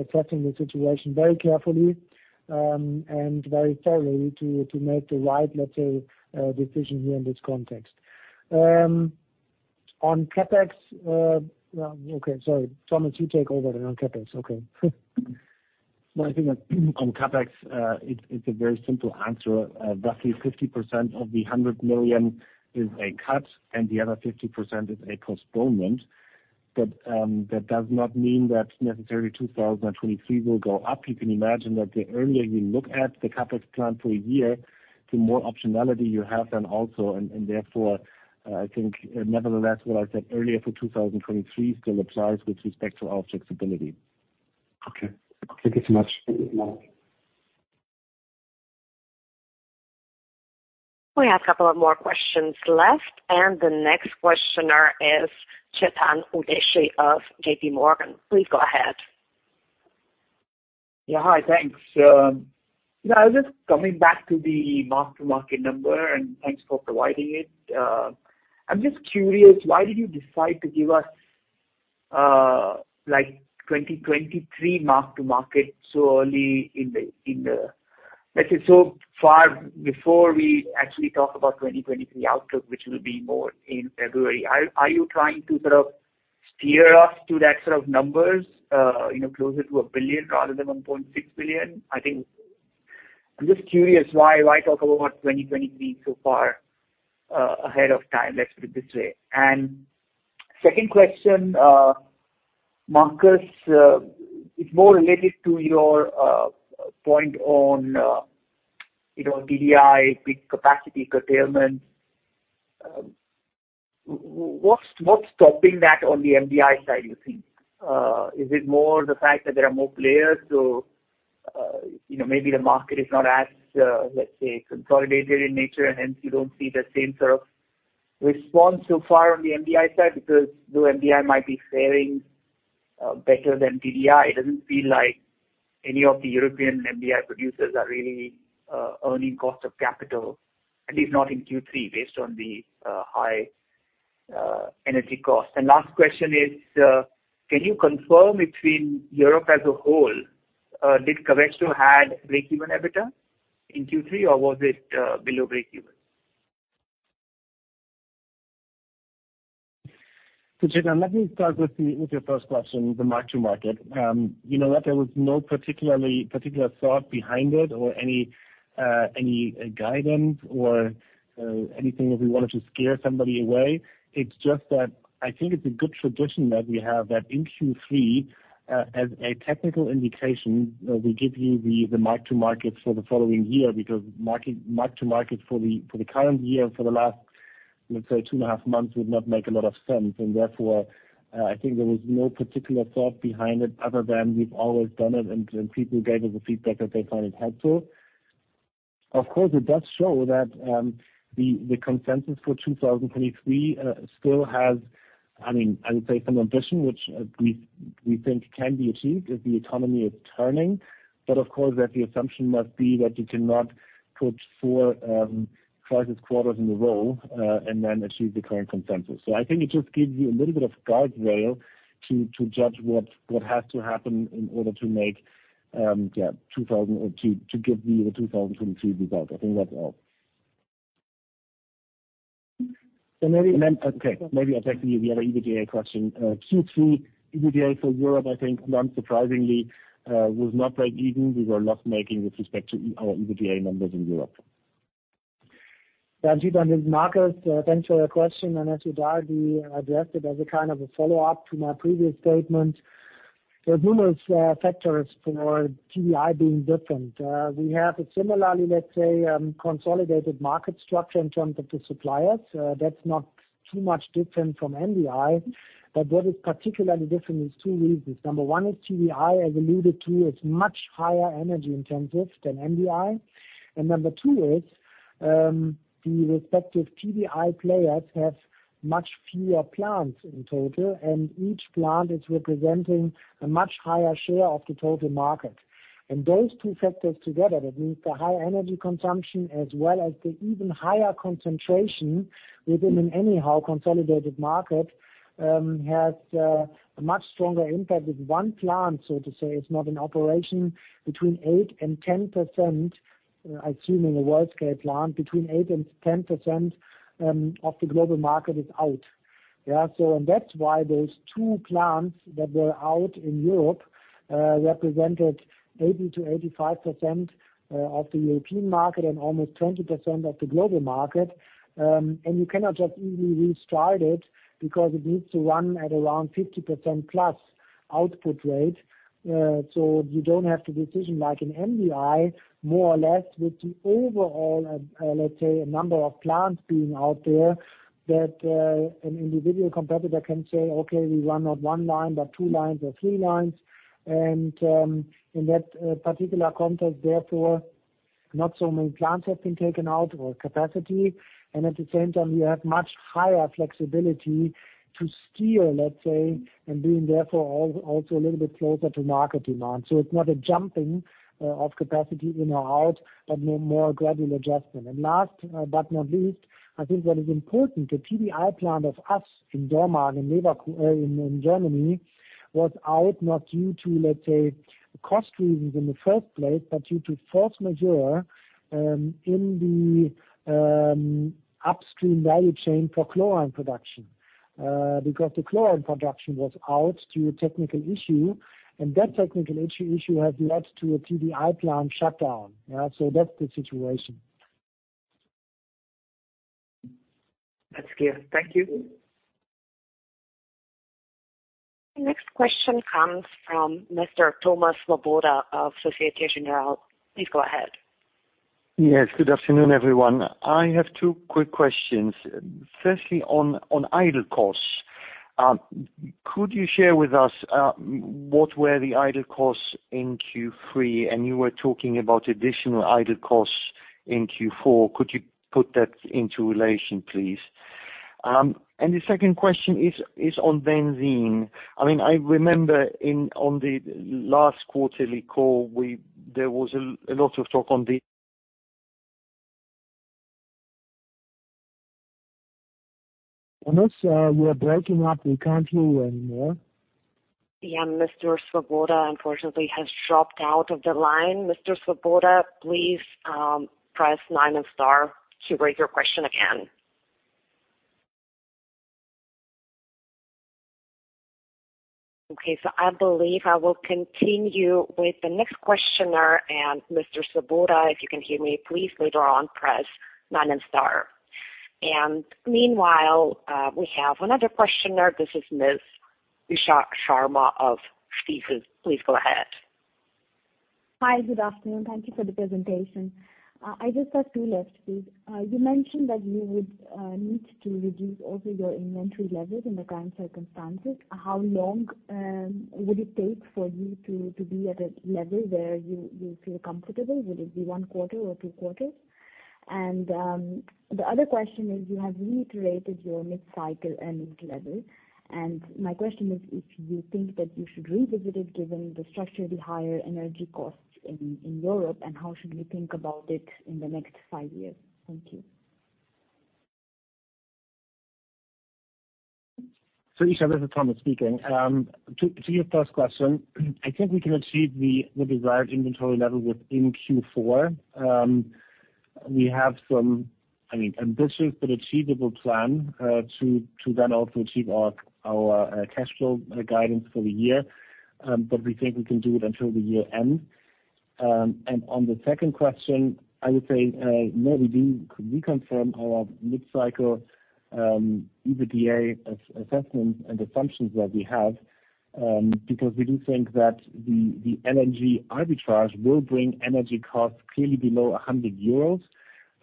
assessing the situation very carefully and very thoroughly to make the right, let's say, decision here in this context. On CapEx, okay, sorry. Thomas, you take over then on CapEx. Okay. No, I think on CapEx, it's a very simple answer. Roughly 50% of the 100 million is a cut, and the other 50% is a postponement. That does not mean that necessarily 2023 will go up. You can imagine that the earlier you look at the CapEx plan for a year, the more optionality you have then also, and therefore, I think nevertheless, what I said earlier for 2023 still applies with respect to our flexibility. Okay. Thank you so much. Thank you. We have a couple of more questions left, and the next questioner is Chetan Udeshi of JP Morgan. Please go ahead. Yeah. Hi, thanks. Yeah, I was just coming back to the mark-to-market number, and thanks for providing it. I'm just curious, why did you decide to give us, like 2023 mark-to-market so early in the. Let's say so far before we actually talk about 2023 outlook, which will be more in February. Are you trying to sort of steer us to that sort of numbers, you know, closer to 1 billion rather than 1.6 billion? I think. I'm just curious why talk about 2023 so far ahead of time, let's put it this way. Second question, Markus, it's more related to your point on, you know, TDI peak capacity curtailment. What's stopping that on the MDI side, you think? Is it more the fact that there are more players to, you know, maybe the market is not as, let's say, consolidated in nature, and hence you don't see the same sort of response so far on the MDI side? Because though MDI might be faring better than TDI, it doesn't feel like any of the European MDI producers are really earning cost of capital, at least not in Q3 based on the high energy costs. Last question is, can you confirm between Europe as a whole, did Covestro had breakeven EBITDA in Q3, or was it below breakeven? Chetan, let me start with your first question, the mark-to-market. You know what, there was no particular thought behind it or any guidance or anything that we wanted to scare somebody away. It's just that I think it's a good tradition that we have that in Q3, as a technical indication, we give you the mark-to-market for the following year, because mark-to-market for the current year for the last, let's say, two and a half months would not make a lot of sense. Therefore, I think there was no particular thought behind it other than we've always done it and people gave us the feedback that they find it helpful. Of course, it does show that the consensus for 2023 still has, I mean, I would say some ambition, which we think can be achieved if the economy is turning. Of course, the assumption must be that you cannot put four crisis quarters in a row and then achieve the current consensus. I think it just gives you a little bit of guardrail to judge what has to happen in order to give you the 2023 result. I think that's all. Maybe. Okay, maybe I'll take the other EBITDA question. Q3 EBITDA for Europe, I think not surprisingly, was not breakeven. We were loss-making with respect to our EBITDA numbers in Europe. Yeah, Chetan Udeshi, this is Markus Steilemann. Thanks for your question, and as you kindly addressed it as a kind of a follow-up to my previous statement. There are numerous factors for TDI being different. We have a similarly, let's say, consolidated market structure in terms of the suppliers. That's not too much different from MDI, but what is particularly different is two reasons. Number one is TDI, as alluded to, is much higher energy intensive than MDI. Number two is the respective TDI players have much fewer plants in total, and each plant is representing a much higher share of the total market. Those two factors together, that means the high energy consumption as well as the even higher concentration within an anyhow consolidated market, has a much stronger impact if one plant, so to say, is not in operation between 8%-10%, I assume in a world-scale plant, between 8%-10% of the global market is out. Yeah. That's why those two plants that were out in Europe represented 80%-85% of the European market and almost 20% of the global market. You cannot just easily restart it because it needs to run at around 50%+ output rate. You don't have the decision like in MDI, more or less with the overall, let's say number of plants being out there that an individual competitor can say, "Okay, we run not one line, but two lines or three lines." In that particular context, therefore, not so many plants have been taken out or capacity. At the same time, you have much higher flexibility to steer, let's say, and being therefore also a little bit closer to market demand. It's not a jumping of capacity in or out, but more gradual adjustment. Last but not least, I think what is important, the TDI plant of us in Dormagen and Leverkusen, in Germany was out not due to, let's say, cost reasons in the first place, but due to force majeure, in the upstream value chain for chlorine production. Because the chlorine production was out due to technical issue, and that technical issue has led to a TDI plant shutdown. Yeah, that's the situation. That's clear. Thank you. The next question comes from Mr. Thomas Swoboda of Société Générale. Please go ahead. Yes. Good afternoon, everyone. I have two quick questions. Firstly, on idle costs. Could you share with us what were the idle costs in Q3? And you were talking about additional idle costs in Q4. Could you put that in relation, please? And the second question is on benzene. I mean, I remember on the last quarterly call, there was a lot of talk on the- Thomas, we are breaking up. We can't hear you anymore. Yeah. Mr. Swoboda unfortunately has dropped out of the line. Mr. Swoboda, please press star nine to raise your question again. Okay. I believe I will continue with the next questioner. Mr. Swoboda, if you can hear me, please later on press star nine. Meanwhile, we have another questioner. This is Ms. Isha Sharma of Stifel. Please go ahead. Hi. Good afternoon. Thank you for the presentation. I just have two left, please. You mentioned that you would need to reduce also your inventory levels in the current circumstances. How long would it take for you to be at a level where you feel comfortable? Will it be one quarter or two quarters? The other question is you have reiterated your mid-cycle earnings level. My question is, if you think that you should revisit it given the structurally higher energy costs in Europe, and how should we think about it in the next five years? Thank you. Isha, this is Thomas speaking. To your first question, I think we can achieve the desired inventory level within Q4. We have some, I mean, ambitious but achievable plan to then also achieve our cash flow guidance for the year. We think we can do it until the year end. On the second question, I would say, no, we do reconfirm our mid-cycle EBITDA assessment and assumptions that we have, because we do think that the LNG arbitrage will bring energy costs clearly below 100 euros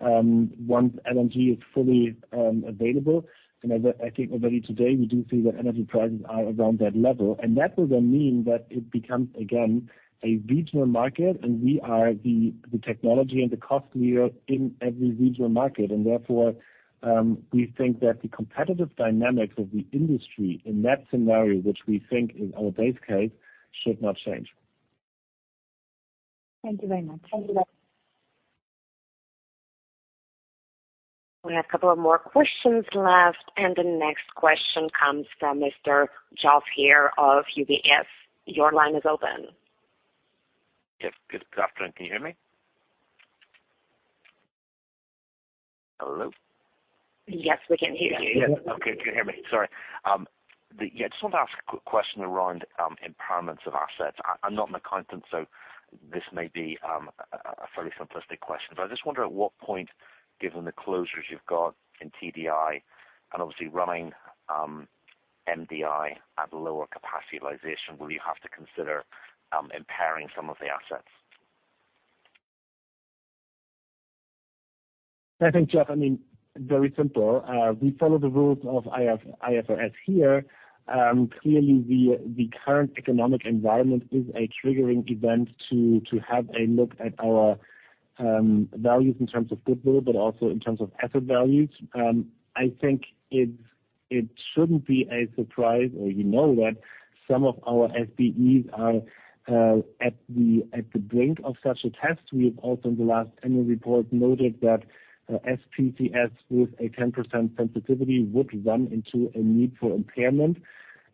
once LNG is fully available. I think already today we do see that energy prices are around that level. That will then mean that it becomes, again, a regional market and we are the technology and the cost leader in every regional market. Therefore, we think that the competitive dynamics of the industry in that scenario, which we think is our base case, should not change. Thank you very much. We have a couple of more questions left, and the next question comes from Mr. Geoffery Haire of UBS. Your line is open. Yes. Good afternoon. Can you hear me? Hello? Yes, we can hear you. Yes. Okay. Can you hear me? Sorry. Yeah, I just want to ask a quick question around impairments of assets. I'm not an accountant, so this may be a fairly simplistic question. I just wonder at what point, given the closures you've got in TDI and obviously running MDI at lower capacity utilization, will you have to consider impairing some of the assets? I think, Jeff, I mean, very simple. We follow the rules of IFRS here. Clearly the current economic environment is a triggering event to have a look at our values in terms of goodwill, but also in terms of asset values. I think it shouldn't be a surprise or you know that some of our SBEs are at the brink of such a test. We have also in the last annual report noted that S&PS with a 10% sensitivity would run into a need for impairment.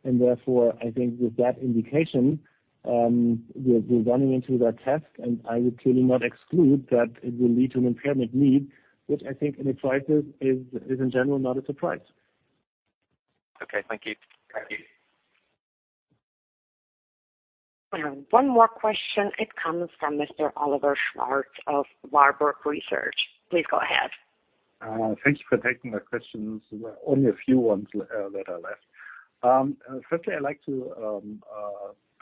Therefore, I think with that indication, we're running into that test, and I would clearly not exclude that it will lead to an impairment need, which I think in a crisis is in general not a surprise. Okay. Thank you. Thank you. We have one more question. It comes from Mr. Oliver Schwarz of Warburg Research. Please go ahead. Thank you for taking my questions. There were only a few ones that are left. Firstly, I'd like to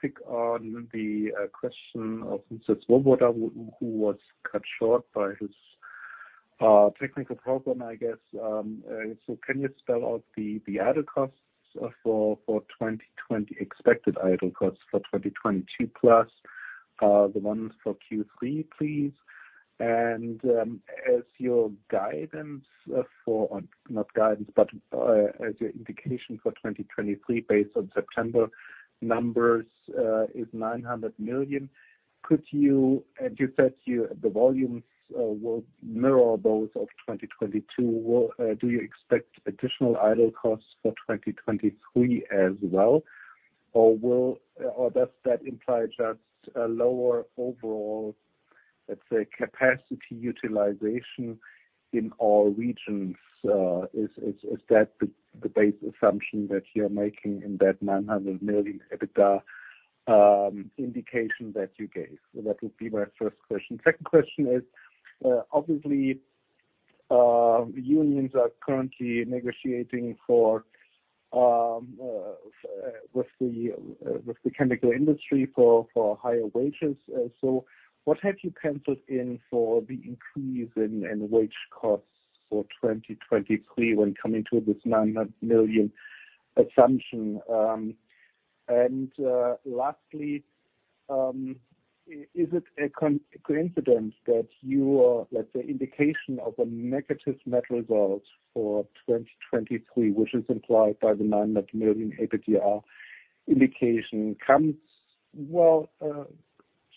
pick up on the question of Mr. Swoboda, who was cut short by his technical problem, I guess. Can you spell out the expected idle costs for 2022+ the ones for Q3, please? As your guidance for... not guidance, but as your indication for 2023 based on September numbers is 900 million. You said the volumes will mirror those of 2022. Do you expect additional idle costs for 2023 as well, or does that imply just a lower overall, let's say, capacity utilization in all regions? Is that the base assumption that you're making in that 900 million EBITDA indication that you gave? That would be my first question. Second question is, obviously, unions are currently negotiating with the chemical industry for higher wages. What have you penciled in for the increase in wage costs for 2023 when coming to this 900 million assumption? Is it a coincidence that your, let's say, indication of a negative net result for 2023, which is implied by the 900 million EBITDA indication, comes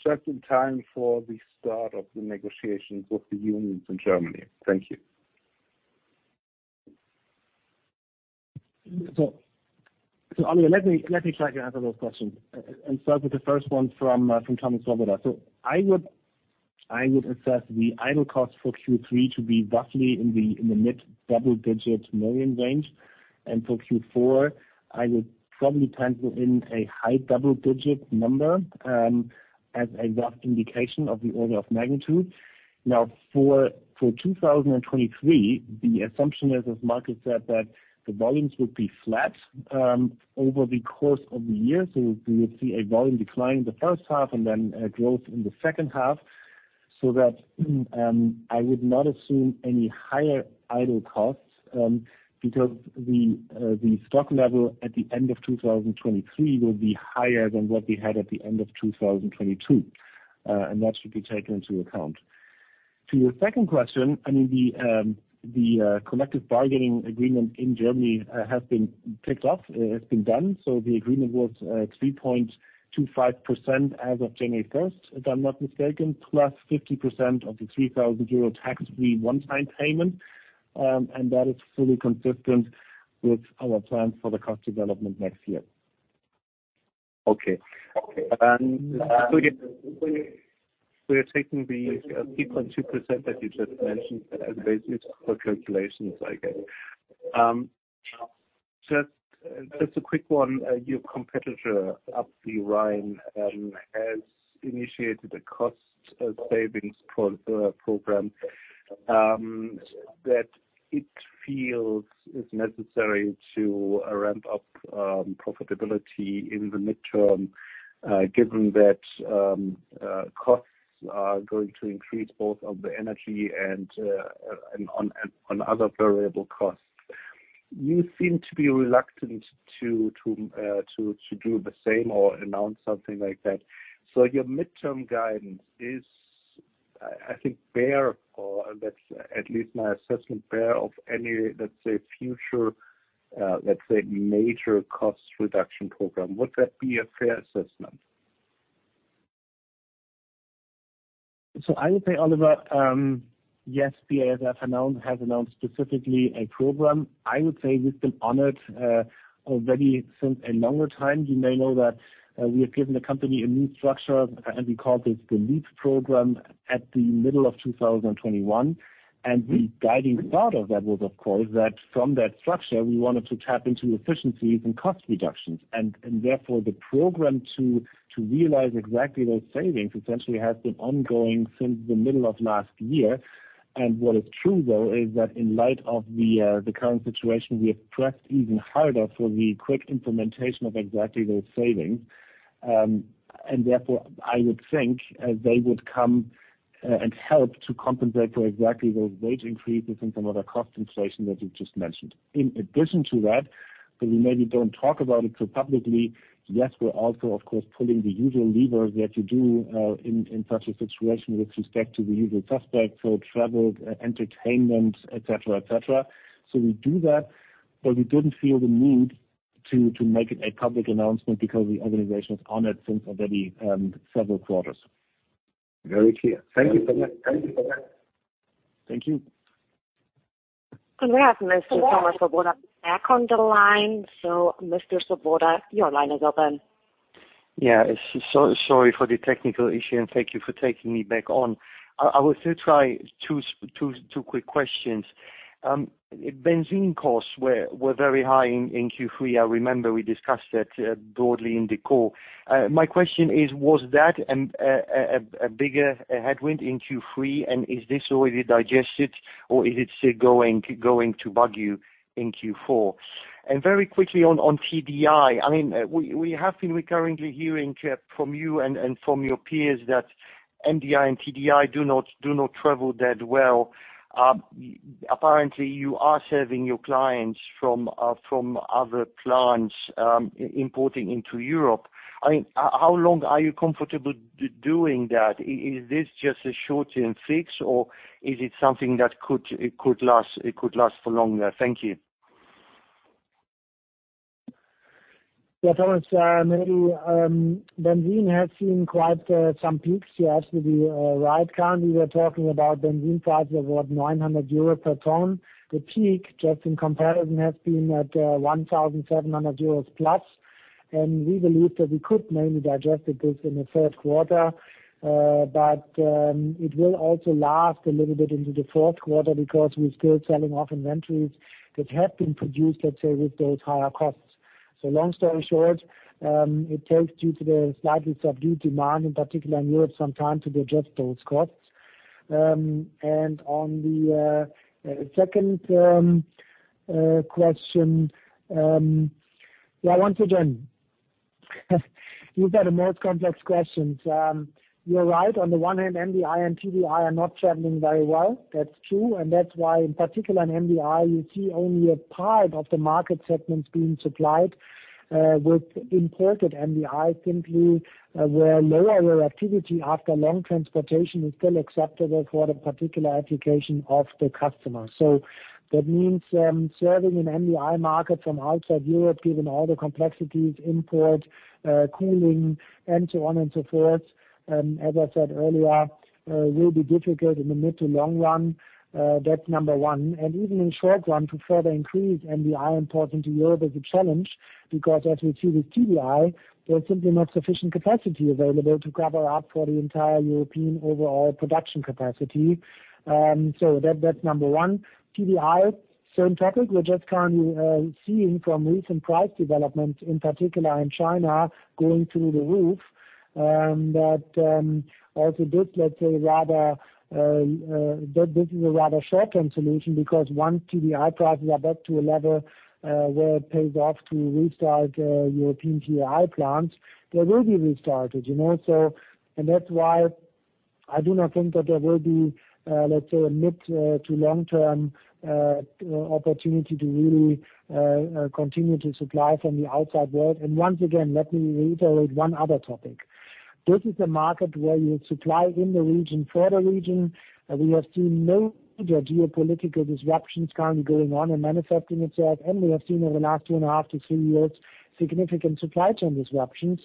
just in time for the start of the negotiations with the unions in Germany? Thank you. Oliver, let me try to answer those questions and start with the first one from Thomas Swoboda. I would assess the idle cost for Q3 to be roughly in the mid-double-digit million range. For Q4, I would probably pencil in a high double-digit number as a rough indication of the order of magnitude. Now, for 2023, the assumption is, as Markus said, that the volumes would be flat over the course of the year. We would see a volume decline in the first half and then a growth in the second half. That I would not assume any higher idle costs because the stock level at the end of 2023 will be higher than what we had at the end of 2022. That should be taken into account. To your second question, I mean, the collective bargaining agreement in Germany has been done. The agreement was 3.25% as of January first, if I'm not mistaken, +50% of the 3,000 euro tax-free one-time payment. That is fully consistent with our plans for the cost development next year. Okay. We are taking the 3.2% that you just mentioned as basis for calculations, I guess. Just a quick one. Your competitor up the Rhine has initiated a cost savings program that it feels is necessary to ramp up profitability in the midterm, given that costs are going to increase both on the energy and on other variable costs. You seem to be reluctant to do the same or announce something like that. Your midterm guidance is, I think bereft, or that's at least my assessment, bereft of any, let's say, future, let's say major cost reduction program. Would that be a fair assessment? I would say, Oliver, yes, BASF has announced specifically a program. I would say we've been on it already since a longer time. You may know that we have given the company a new structure, and we call this the LEAP program at the middle of 2021. The guiding thought of that was, of course, that from that structure, we wanted to tap into efficiencies and cost reductions. Therefore, the program to realize exactly those savings essentially has been ongoing since the middle of last year. What is true though is that in light of the current situation, we have pressed even harder for the quick implementation of exactly those savings. Therefore, I would think, they would come and help to compensate for exactly those wage increases and some other cost inflation that you just mentioned. In addition to that, we maybe don't talk about it so publicly. Yes, we're also of course pulling the usual levers that you do in such a situation with respect to the usual suspects, so travel, entertainment, et cetera. We do that, but we didn't feel the need to make it a public announcement because the organization is on it since already several quarters. Very clear. Thank you for that. Thank you. We have Mr. Thomas Swoboda back on the line. Mr. Svoboda, your line is open. Yeah. Sorry for the technical issue, and thank you for taking me back on. I will still try two quick questions. Benzene costs were very high in Q3. I remember we discussed that broadly in the call. My question is, was that a bigger headwind in Q3, and is this already digested or is it still going to bug you in Q4? Very quickly on TDI. I mean, we have been recurringly hearing from you and from your peers that MDI and TDI do not travel that well. Apparently, you are serving your clients from other plants importing into Europe. I mean, how long are you comfortable doing that? Is this just a short-term fix, or is it something that could last for longer? Thank you. Yeah, Thomas, maybe benzene has seen quite some peaks. Yes, you're right. Currently, we're talking about benzene prices of about 900 euros per ton. The peak, just in comparison, has been at 1,700+ euros. We believe that we could mainly digest this in the third quarter. It will also last a little bit into the fourth quarter because we're still selling off inventories that have been produced, let's say, with those higher costs. Long story short, it takes due to the slightly subdued demand, in particular in Europe, some time to digest those costs. On the second question, yeah, once again, you've got the most complex questions. You're right. On the one hand, MDI and TDI are not traveling very well. That's true, and that's why in particular in MDI, you see only a part of the market segments being supplied with imported MDI simply, where lower activity after long transportation is still acceptable for the particular application of the customer. That means serving an MDI market from outside Europe, given all the complexities, import, cooling, and so on and so forth, as I said earlier, will be difficult in the mid to long run. That's number one. Even in short run to further increase MDI import into Europe is a challenge because as we see with TDI, there's simply not sufficient capacity available to cover up for the entire European overall production capacity. That's number one. TDI, same topic. We're just currently seeing from recent price development, in particular in China, going through the roof, that also this, let's say, rather, that this is a rather short-term solution because once TDI prices are back to a level, where it pays off to restart, European TDI plants, they will be restarted, you know. That's why I do not think that there will be, let's say, a mid- to long-term opportunity to really continue to supply from the outside world. Once again, let me reiterate one other topic. This is a market where you supply in the region for the region. We have seen no geopolitical disruptions currently going on and manifesting itself, and we have seen over the last 2.5 years -three years significant supply chain disruptions.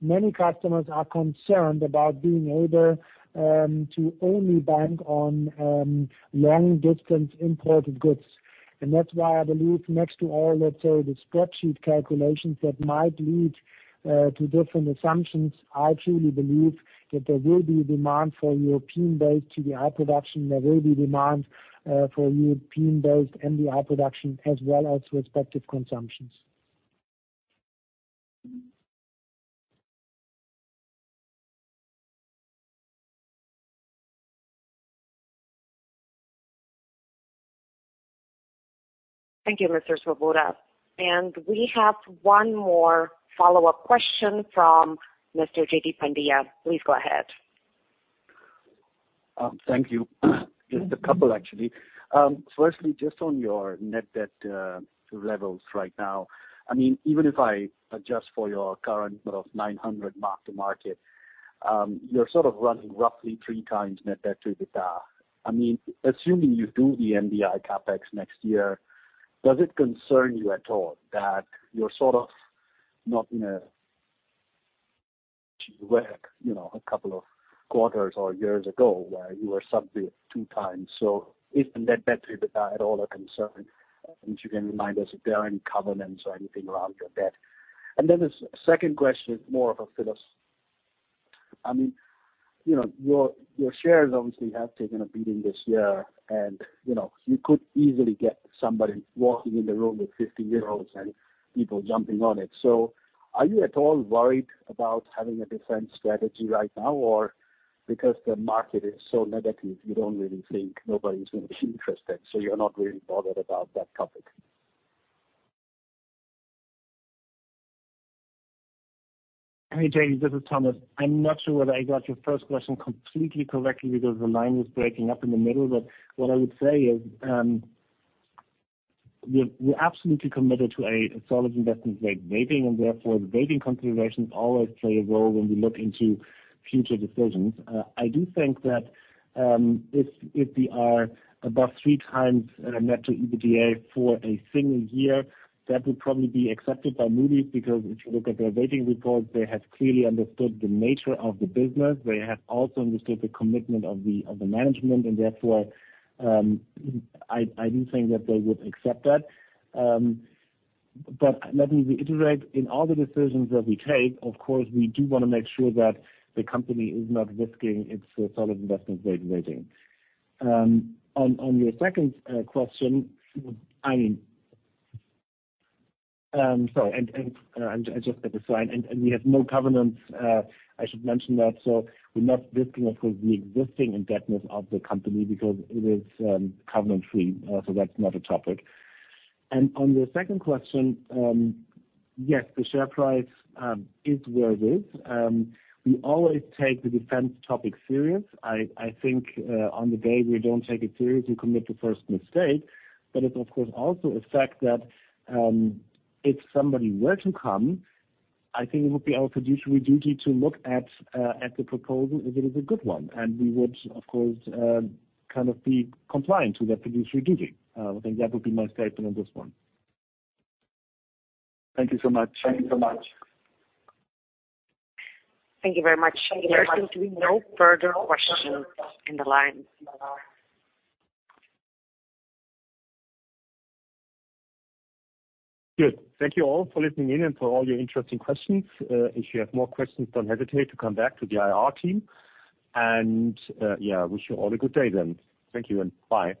Many customers are concerned about being able to only bank on long-distance imported goods. That's why I believe next to all, let's say, the spreadsheet calculations that might lead to different assumptions, I truly believe that there will be demand for European-based TDI production. There will be demand for European-based MDI production as well as respective consumptions. Thank you, Mr. Swoboda. We have one more follow-up question from Mr. Jaideep Pandya. Please go ahead. Thank you. Just a couple, actually. Firstly, just on your net debt levels right now. I mean, even if I adjust for your 900 mark-to-market, you're sort of running roughly 3x net debt to EBITDA. I mean, assuming you do the MDI CapEx next year, does it concern you at all that you're sort of not in a world, you know, a couple of quarters or years ago where you were subject to 2x. Is the net debt to EBITDA at all a concern? You can remind us if there are any covenants or anything around your debt. The second question is more of a philosophical. I mean, you know, your shares obviously have taken a beating this year and, you know, you could easily get somebody walking in the room with 50 euros and people jumping on it. Are you at all worried about having a defense strategy right now? Or because the market is so negative, you don't really think nobody's gonna be interested, so you're not really bothered about that topic. Hey, Jamie, this is Thomas. I'm not sure whether I got your first question completely correctly because the line was breaking up in the middle. What I would say is, we're absolutely committed to a solid investment-grade rating, and therefore the rating considerations always play a role when we look into future decisions. I do think that if we are above 3x net debt to EBITDA for a single year, that would probably be accepted by Moody's, because if you look at their rating report, they have clearly understood the nature of the business. They have also understood the commitment of the management, and therefore I do think that they would accept that. Let me reiterate, in all the decisions that we take, of course, we do wanna make sure that the company is not risking its solid investment grade rating. On your second question, I just had the slide. We have no covenants, I should mention that. We're not risking, of course, the existing indebtedness of the company because it is covenant free, so that's not a topic. On the second question, yes, the share price is where it is. We always take the defense topic serious. I think, on the day we don't take it serious, we commit the first mistake. It's of course also a fact that, if somebody were to come, I think it would be our fiduciary duty to look at the proposal if it is a good one. We would of course, kind of be compliant to that fiduciary duty. I think that would be my statement on this one. Thank you so much. Thank you so much. Thank you very much. There seems to be no further questions in the line. Good. Thank you all for listening in and for all your interesting questions. If you have more questions, don't hesitate to come back to the IR team. Yeah, wish you all a good day then. Thank you, and bye.